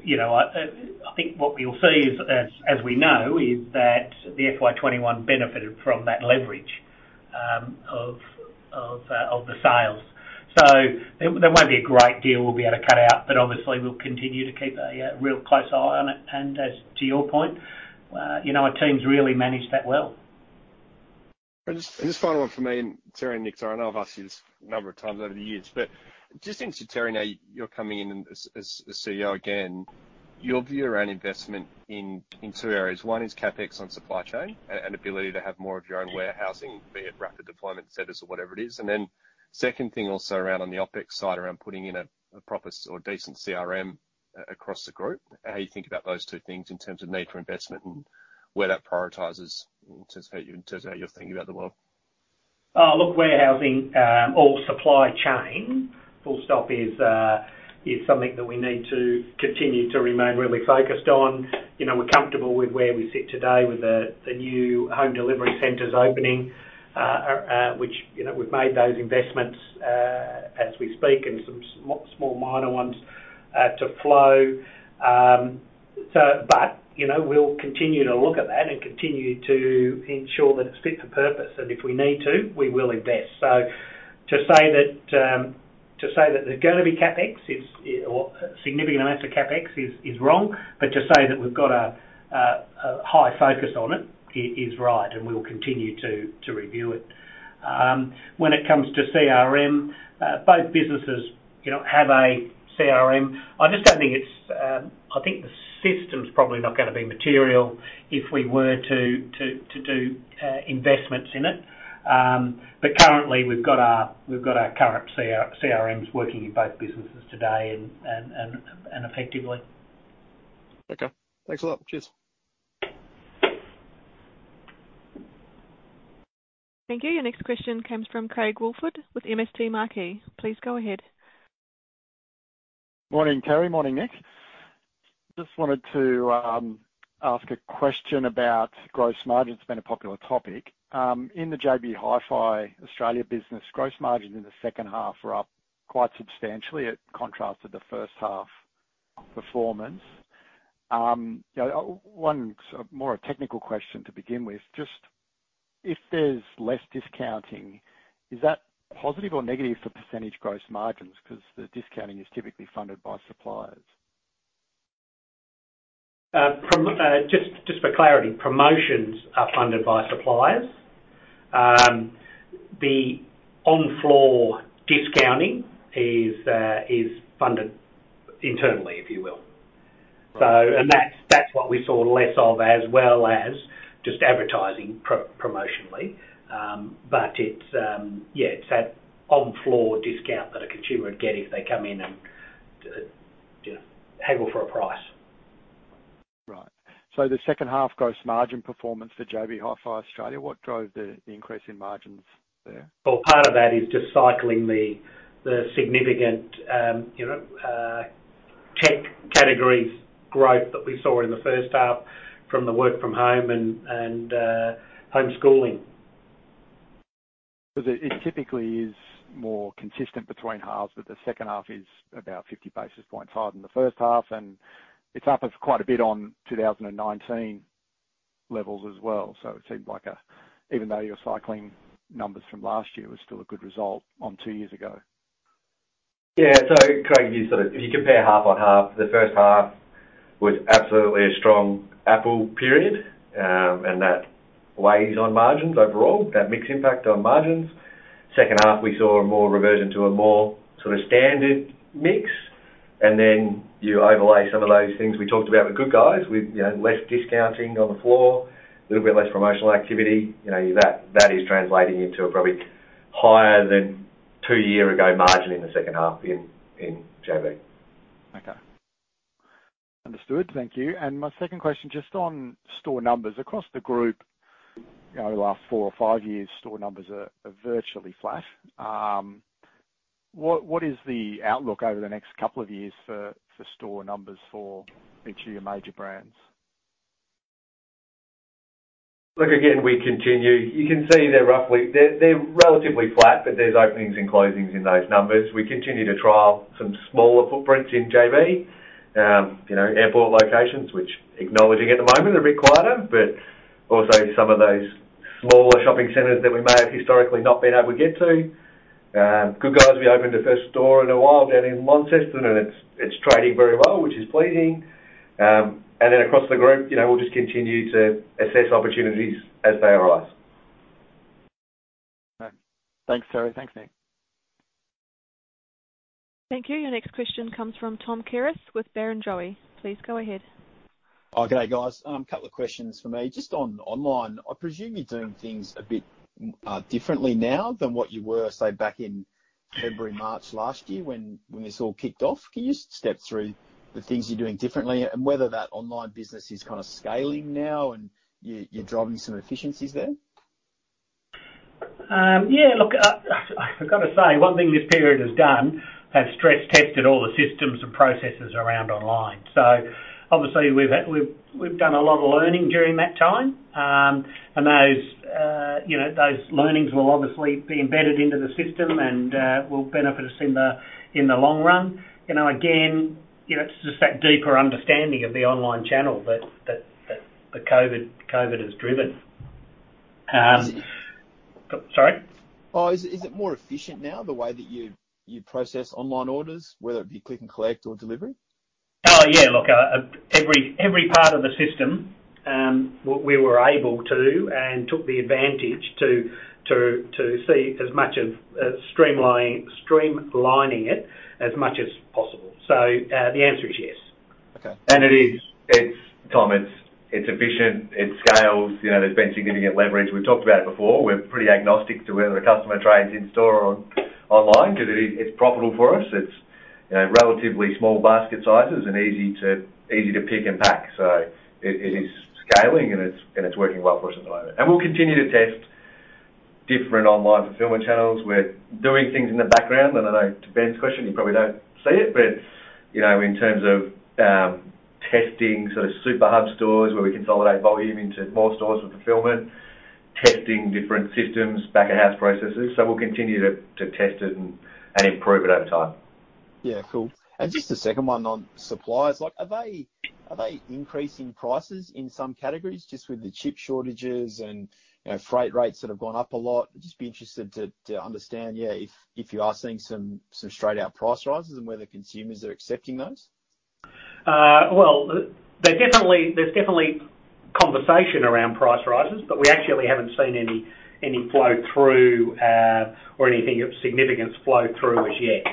think what we'll see is, as we know, is that the FY21 benefited from that leverage of the sales. There won't be a great deal we'll be able to cut out, but obviously we'll continue to keep a real close eye on it. As to your point, our teams really managed that well. Just final one from me, Terry and Nick, sorry, I know I've asked you this a number of times over the years, but just interested, Terry, now you're coming in as CEO again, your view around investment in two areas. One is CapEx on supply chain and ability to have more of your own warehousing, be it rapid deployment centers or whatever it is. Second thing also around on the OpEx side, around putting in a proper or decent CRM across the group. How you think about those two things in terms of need for investment and where that prioritizes in terms of how you're thinking about the world. Look, warehousing, or supply chain, full stop, is something that we need to continue to remain really focused on. We're comfortable with where we sit today with the new home delivery centers opening, which we've made those investments, as we speak and some small minor ones to flow. We'll continue to look at that and continue to ensure that it fits the purpose. If we need to, we will invest. To say that there's going to be CapEx is, or a significant amount of CapEx is wrong, to say that we've got a high focus on it is right, we will continue to review it. When it comes to CRM, both businesses have a CRM. I think the system's probably not going to be material if we were to do investments in it. Currently, we've got our current CRMs working in both businesses today and effectively. Okay. Thanks a lot. Cheers. Thank you. Your next question comes from Craig Woolford with MST Marquee. Please go ahead. Morning, Terry Smart. Morning, Nick Wells. Wanted to ask a question about gross margin. It's been a popular topic. In the JB Hi-Fi Australia business, gross margins in the second half were up quite substantially. It contrasts with the first half performance. 1 more a technical question to begin with. If there's less discounting, is that positive or negative for percentage gross margins? The discounting is typically funded by suppliers. Just for clarity, promotions are funded by suppliers. The on-floor discounting is funded internally, if you will. That's what we saw less of, as well as just advertising promotionally. It's, yeah, it's that on-floor discount that a consumer would get if they come in and haggle for a price. Right. The second half gross margin performance for JB Hi-Fi Australia, what drove the increase in margins there? Well, part of that is just cycling the significant tech categories growth that we saw in the first half from the work from home and homeschooling. It typically is more consistent between halves, but the second half is about 50 basis points higher than the first half, and it's up quite a bit on 2019 levels as well. It seemed like even though you're cycling numbers from last year, it was still a good result on two years ago. Yeah. Craig, if you compare half-on-half, the first half was absolutely a strong Apple period, and that weighs on margins overall. That mix impact on margins. Second half, we saw a more reversion to a more standard mix, and then you overlay some of those things we talked about with The Good Guys, with less discounting on the floor, a little bit less promotional activity. That is translating into a probably higher than two years ago margin in the JB. Okay. Understood. Thank you. My second question, just on store numbers. Across the group, the last four or five years, store numbers are virtually flat. What is the outlook over the next couple of years for store numbers for each of your major brands? Look, again, you can see they're relatively flat, but there's openings and closings in those numbers. We continue to trial some smaller footprints in JB. Airport locations, which acknowledging at the moment are a bit quieter, but also some of those smaller shopping centers that we may have historically not been able to get to. The Good Guys, we opened the first store in a while down in Launceston, and it's trading very well, which is pleasing. Across the group, we'll just continue to assess opportunities as they arise. Okay. Thanks, Terry. Thanks, Nick. Thank you. Your next question comes from Tom Kierath with Barrenjoey. Please go ahead. Oh, good day, guys. A couple of questions for me. Just on online, I presume you're doing things a bit differently now than what you were, say, back in February, March last year when this all kicked off. Can you step through the things you're doing differently and whether that online business is kind of scaling now and you're driving some efficiencies there? Yeah, look, I've got to say, one thing this period has done has stress tested all the systems and processes around online. Obviously we've done a lot of learning during that time. Those learnings will obviously be embedded into the system and will benefit us in the long run. Again, it's just that deeper understanding of the online channel that the COVID has driven. Sorry? Oh, is it more efficient now, the way that you process online orders, whether it be click and collect or delivery? Oh, yeah. Look, every part of the system, we were able to and took the advantage to see as much of streamlining it as much as possible. The answer is yes. Okay. Tom, it's efficient, it scales. There's been significant leverage. We've talked about it before. We're pretty agnostic to whether the customer trades in store or online because it's profitable for us. It's relatively small basket sizes and easy to pick and pack. It is scaling, and it's working well for us at the moment. We'll continue to test different online fulfillment channels. We're doing things in the background, and I know to Ben's question, you probably don't see it, but in terms of testing super hub stores where we consolidate volume into more stores for fulfillment, testing different systems, back-of-house processes. We'll continue to test it and improve it over time. Yeah, cool. Just a second one on suppliers. Are they increasing prices in some categories just with the chip shortages and freight rates that have gone up a lot? I'd just be interested to understand, yeah, if you are seeing some straight-out price rises and whether consumers are accepting those. Well, there's definitely conversation around price rises, but we actually haven't seen any flow through or anything of significance flow through as yet.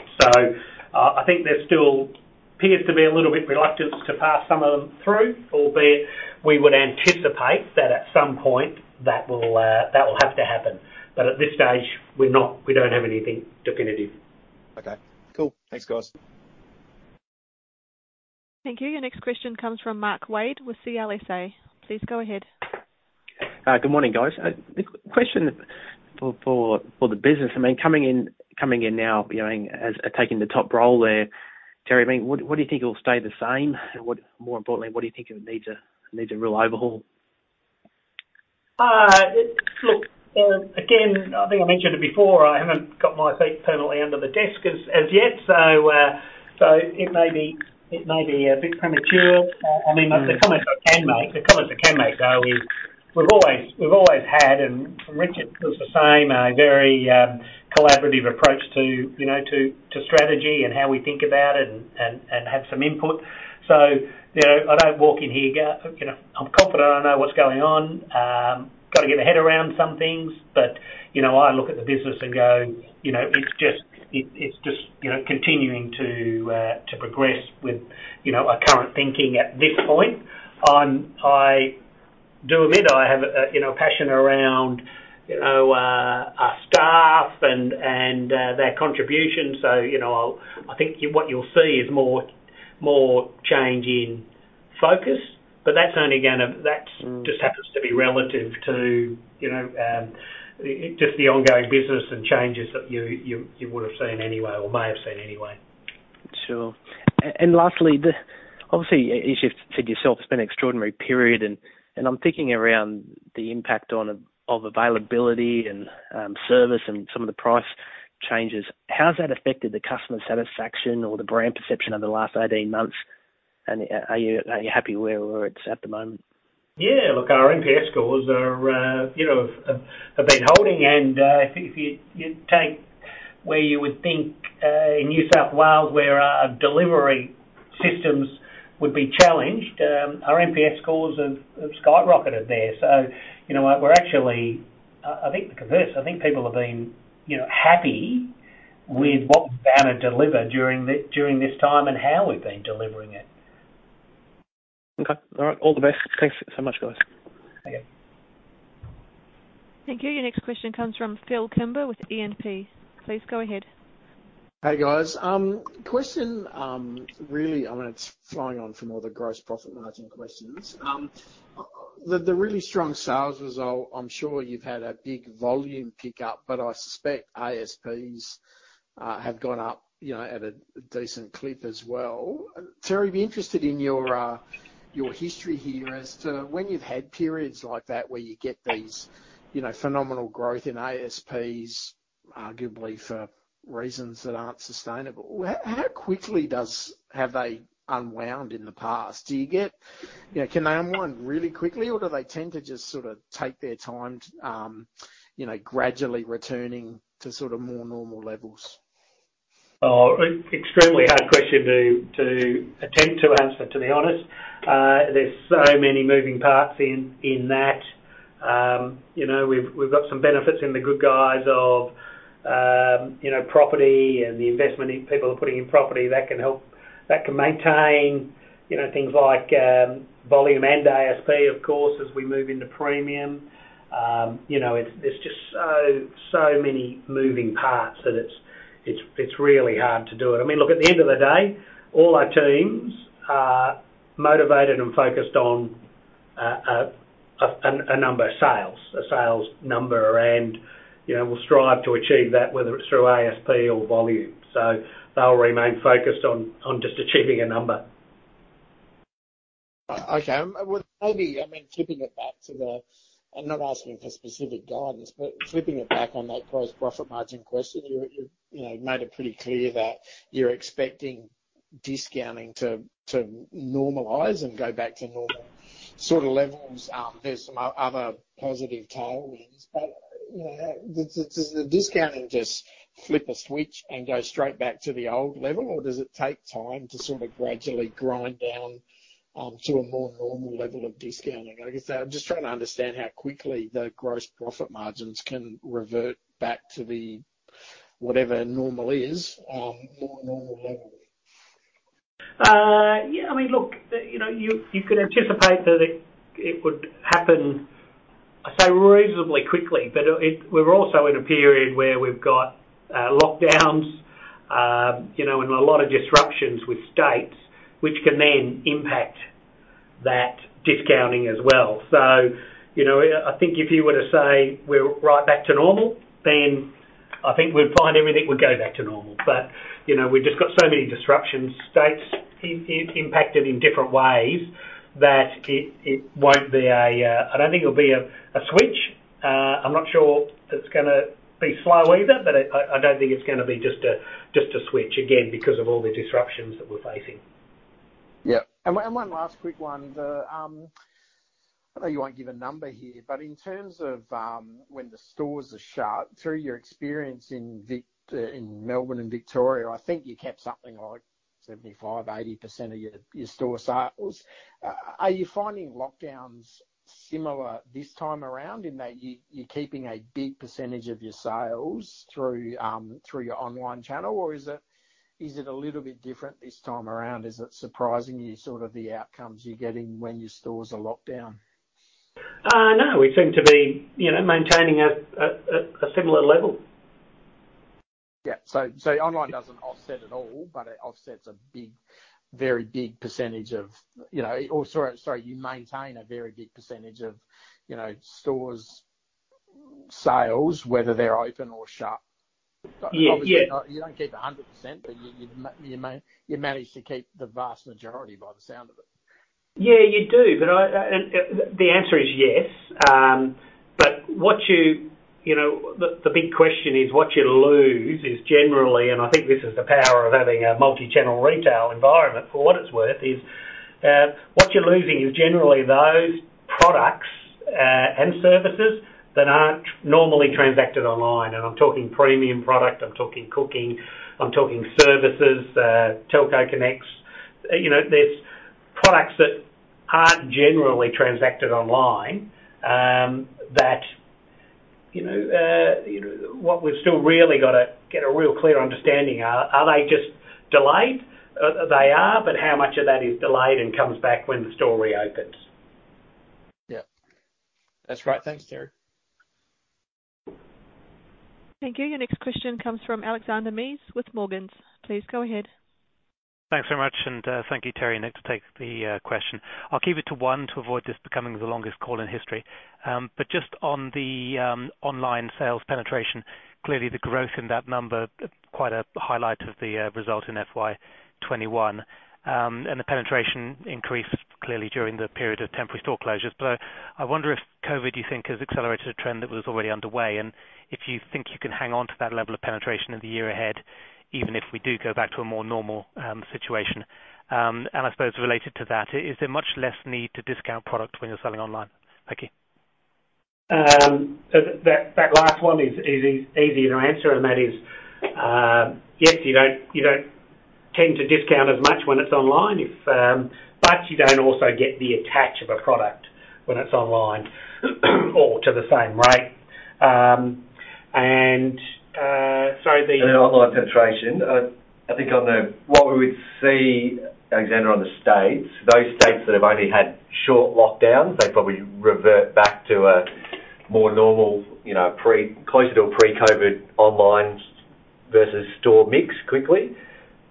I think there still appears to be a little bit reluctance to pass some of them through, albeit we would anticipate that at some point that will have to happen. At this stage, we don't have anything definitive. Okay, cool. Thanks, guys. Thank you. Your next question comes from Mark Wade with CLSA. Please go ahead. Good morning, guys. The question for the business, coming in now as taking the top role there, Terry, what do you think will stay the same? More importantly, what do you think it needs a real overhaul? Look, again, I think I mentioned it before, I haven't got my feet firmly under the desk as yet. It may be a bit premature. The comments I can make, though, is we've always had, and from Richard it was the same, a very collaborative approach to strategy and how we think about it and have some input. I don't walk in here I'm confident I know what's going on. I got to get my head around some things. I look at the business and go, it's just continuing to progress with our current thinking at this point. I do admit I have a passion around our staff and their contribution. I think what you'll see is more change in focus. That just happens to be relative to just the ongoing business and changes that you would have seen anyway or may have seen anyway. Sure. Lastly, obviously, as you've said yourself, it's been an extraordinary period, and I'm thinking around the impact of availability and service and some of the price changes. How has that affected the customer satisfaction or the brand perception over the last 18 months? Are you happy where it's at the moment? Yeah. Look, our NPS scores have been holding. I think if you take where you would think, in New South Wales, where our delivery systems would be challenged, our NPS scores have skyrocketed there. We're actually, I think, the converse, I think people have been happy with what we've been able to deliver during this time and how we've been delivering it. Okay. All right. All the best. Thanks so much, guys. Okay. Thank you. Your next question comes from Phillip Kimber with E&P. Please go ahead. Hey, guys. Question, really, it's flowing on from all the gross profit margin questions. The really strong sales result, I'm sure you've had a big volume pick-up, but I suspect ASPs have gone up at a decent clip as well. Terry, I'd be interested in your history here as to when you've had periods like that where you get these phenomenal growth in ASPs, arguably for reasons that aren't sustainable. How quickly have they unwound in the past? Can they unwind really quickly, or do they tend to just take their time, gradually returning to more normal levels? Oh, extremely hard question to attempt to answer, to be honest. There's so many moving parts in that. We've got some benefits in The Good Guys of property and the investment people are putting in property that can maintain things like volume and ASP, of course, as we move into premium. There's just so many moving parts that it's really hard to do it. Look, at the end of the day, all our teams are motivated and focused on a number, sales, a sales number, and we'll strive to achieve that, whether it's through ASP or volume. They'll remain focused on just achieving a number. Okay. Maybe tipping it back. I'm not asking for specific guidance, but tipping it back on that gross profit margin question, you made it pretty clear that you're expecting discounting to normalize and go back to normal levels. There's some other positive tailwinds. Does the discounting just flip a switch and go straight back to the old level, or does it take time to gradually grind down to a more normal level of discounting? I guess I'm just trying to understand how quickly the gross profit margins can revert back to the, whatever normal is, more normal level. Yeah. Look, you could anticipate that it would happen, I say reasonably quickly. We're also in a period where we've got lockdowns, and a lot of disruptions with states, which can then impact that discounting as well. I think if you were to say we're right back to normal, then I think we'd find everything would go back to normal. We've just got so many disruptions, states impacted in different ways, that I don't think it'll be a switch. I'm not sure it's going to be slow either, but I don't think it's going to be just a switch, again, because of all the disruptions that we're facing. Yep. One last quick one. I know you won't give a number here, but in terms of when the stores are shut, through your experience in Melbourne and Victoria, I think you kept something like 75%, 80% of your store sales. Are you finding lockdowns similar this time around in that you're keeping a big percentage of your sales through your online channel, or is it a little bit different this time around? Is it surprising you, the outcomes you're getting when your stores are locked down? No. We seem to be maintaining a similar level. Yeah. Online doesn't offset at all, but sorry, you maintain a very big percentage of stores' sales, whether they're open or shut. Yeah. Obviously, you don't keep 100%, but you manage to keep the vast majority by the sound of it. You do. The answer is yes. The big question is what you lose is generally, and I think this is the power of having a multi-channel retail environment for what it's worth is, what you're losing is generally those products and services that aren't normally transacted online. I'm talking premium product, I'm talking cooking, I'm talking services, telco Connects. There's products that aren't generally transacted online that what we've still really got to get a real clear understanding are they just delayed? They are, but how much of that is delayed and comes back when the store reopens? Yep. That's right. Thanks, Terry. Thank you. Your next question comes from Alexander Mees with Morgans. Please go ahead. Thanks very much. Thank you, Terry, Nick, to take the question. I'll keep it to one to avoid this becoming the longest call in history. Just on the online sales penetration. Clearly, the growth in that number, quite a highlight of the result in FY21. The penetration increased clearly during the period of temporary store closures. I wonder if COVID-19, you think, has accelerated a trend that was already underway, and if you think you can hang on to that level of penetration in the year ahead, even if we do go back to a more normal situation. I suppose related to that, is there much less need to discount product when you're selling online? Thank you. That last one is easy to answer, and that is, yes, you don't tend to discount as much when it's online. You don't also get the attach of a product when it's online, or to the same rate. Then online penetration, I think what we would see, Alexander, on the states, those states that have only had short lockdowns, they probably revert back to a more normal, closer to a pre-COVID online versus store mix quickly.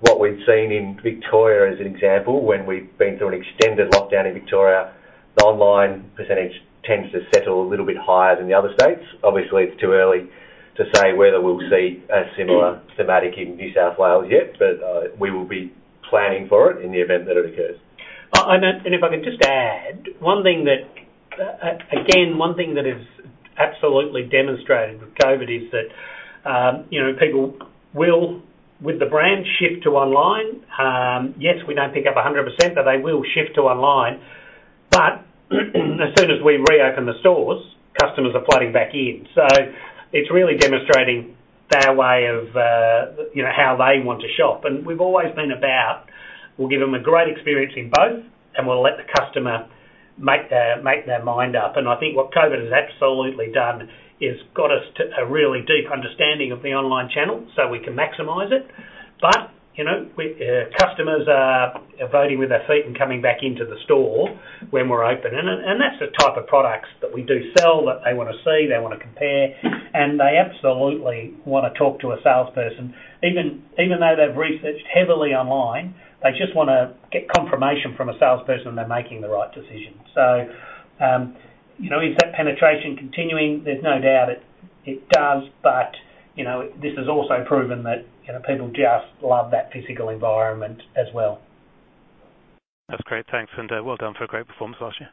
What we've seen in Victoria as an example, when we've been through an extended lockdown in Victoria, the online percentage tends to settle a little bit higher than the other states. Obviously, it's too early to say whether we'll see a similar thematic in New South Wales yet. We will be planning for it in the event that it occurs. If I could just add, again, one thing that is absolutely demonstrated with COVID-19 is that people will, with the brand, shift to online. Yes, we don't pick up 100%, but they will shift to online. As soon as we reopen the stores, customers are flooding back in. It's really demonstrating their way of how they want to shop. We've always been about, we'll give them a great experience in both, and we'll let the customer make their mind up. I think what COVID-19 has absolutely done is got us to a really deep understanding of the online channel so we can maximize it. Customers are voting with their feet and coming back into the store when we're open. That's the type of products that we do sell, that they want to see, they want to compare, and they absolutely want to talk to a salesperson. Even though they've researched heavily online, they just want to get confirmation from a salesperson they're making the right decision. Is that penetration continuing? There's no doubt it does. This has also proven that people just love that physical environment as well. That's great. Thanks, and well done for a great performance last year.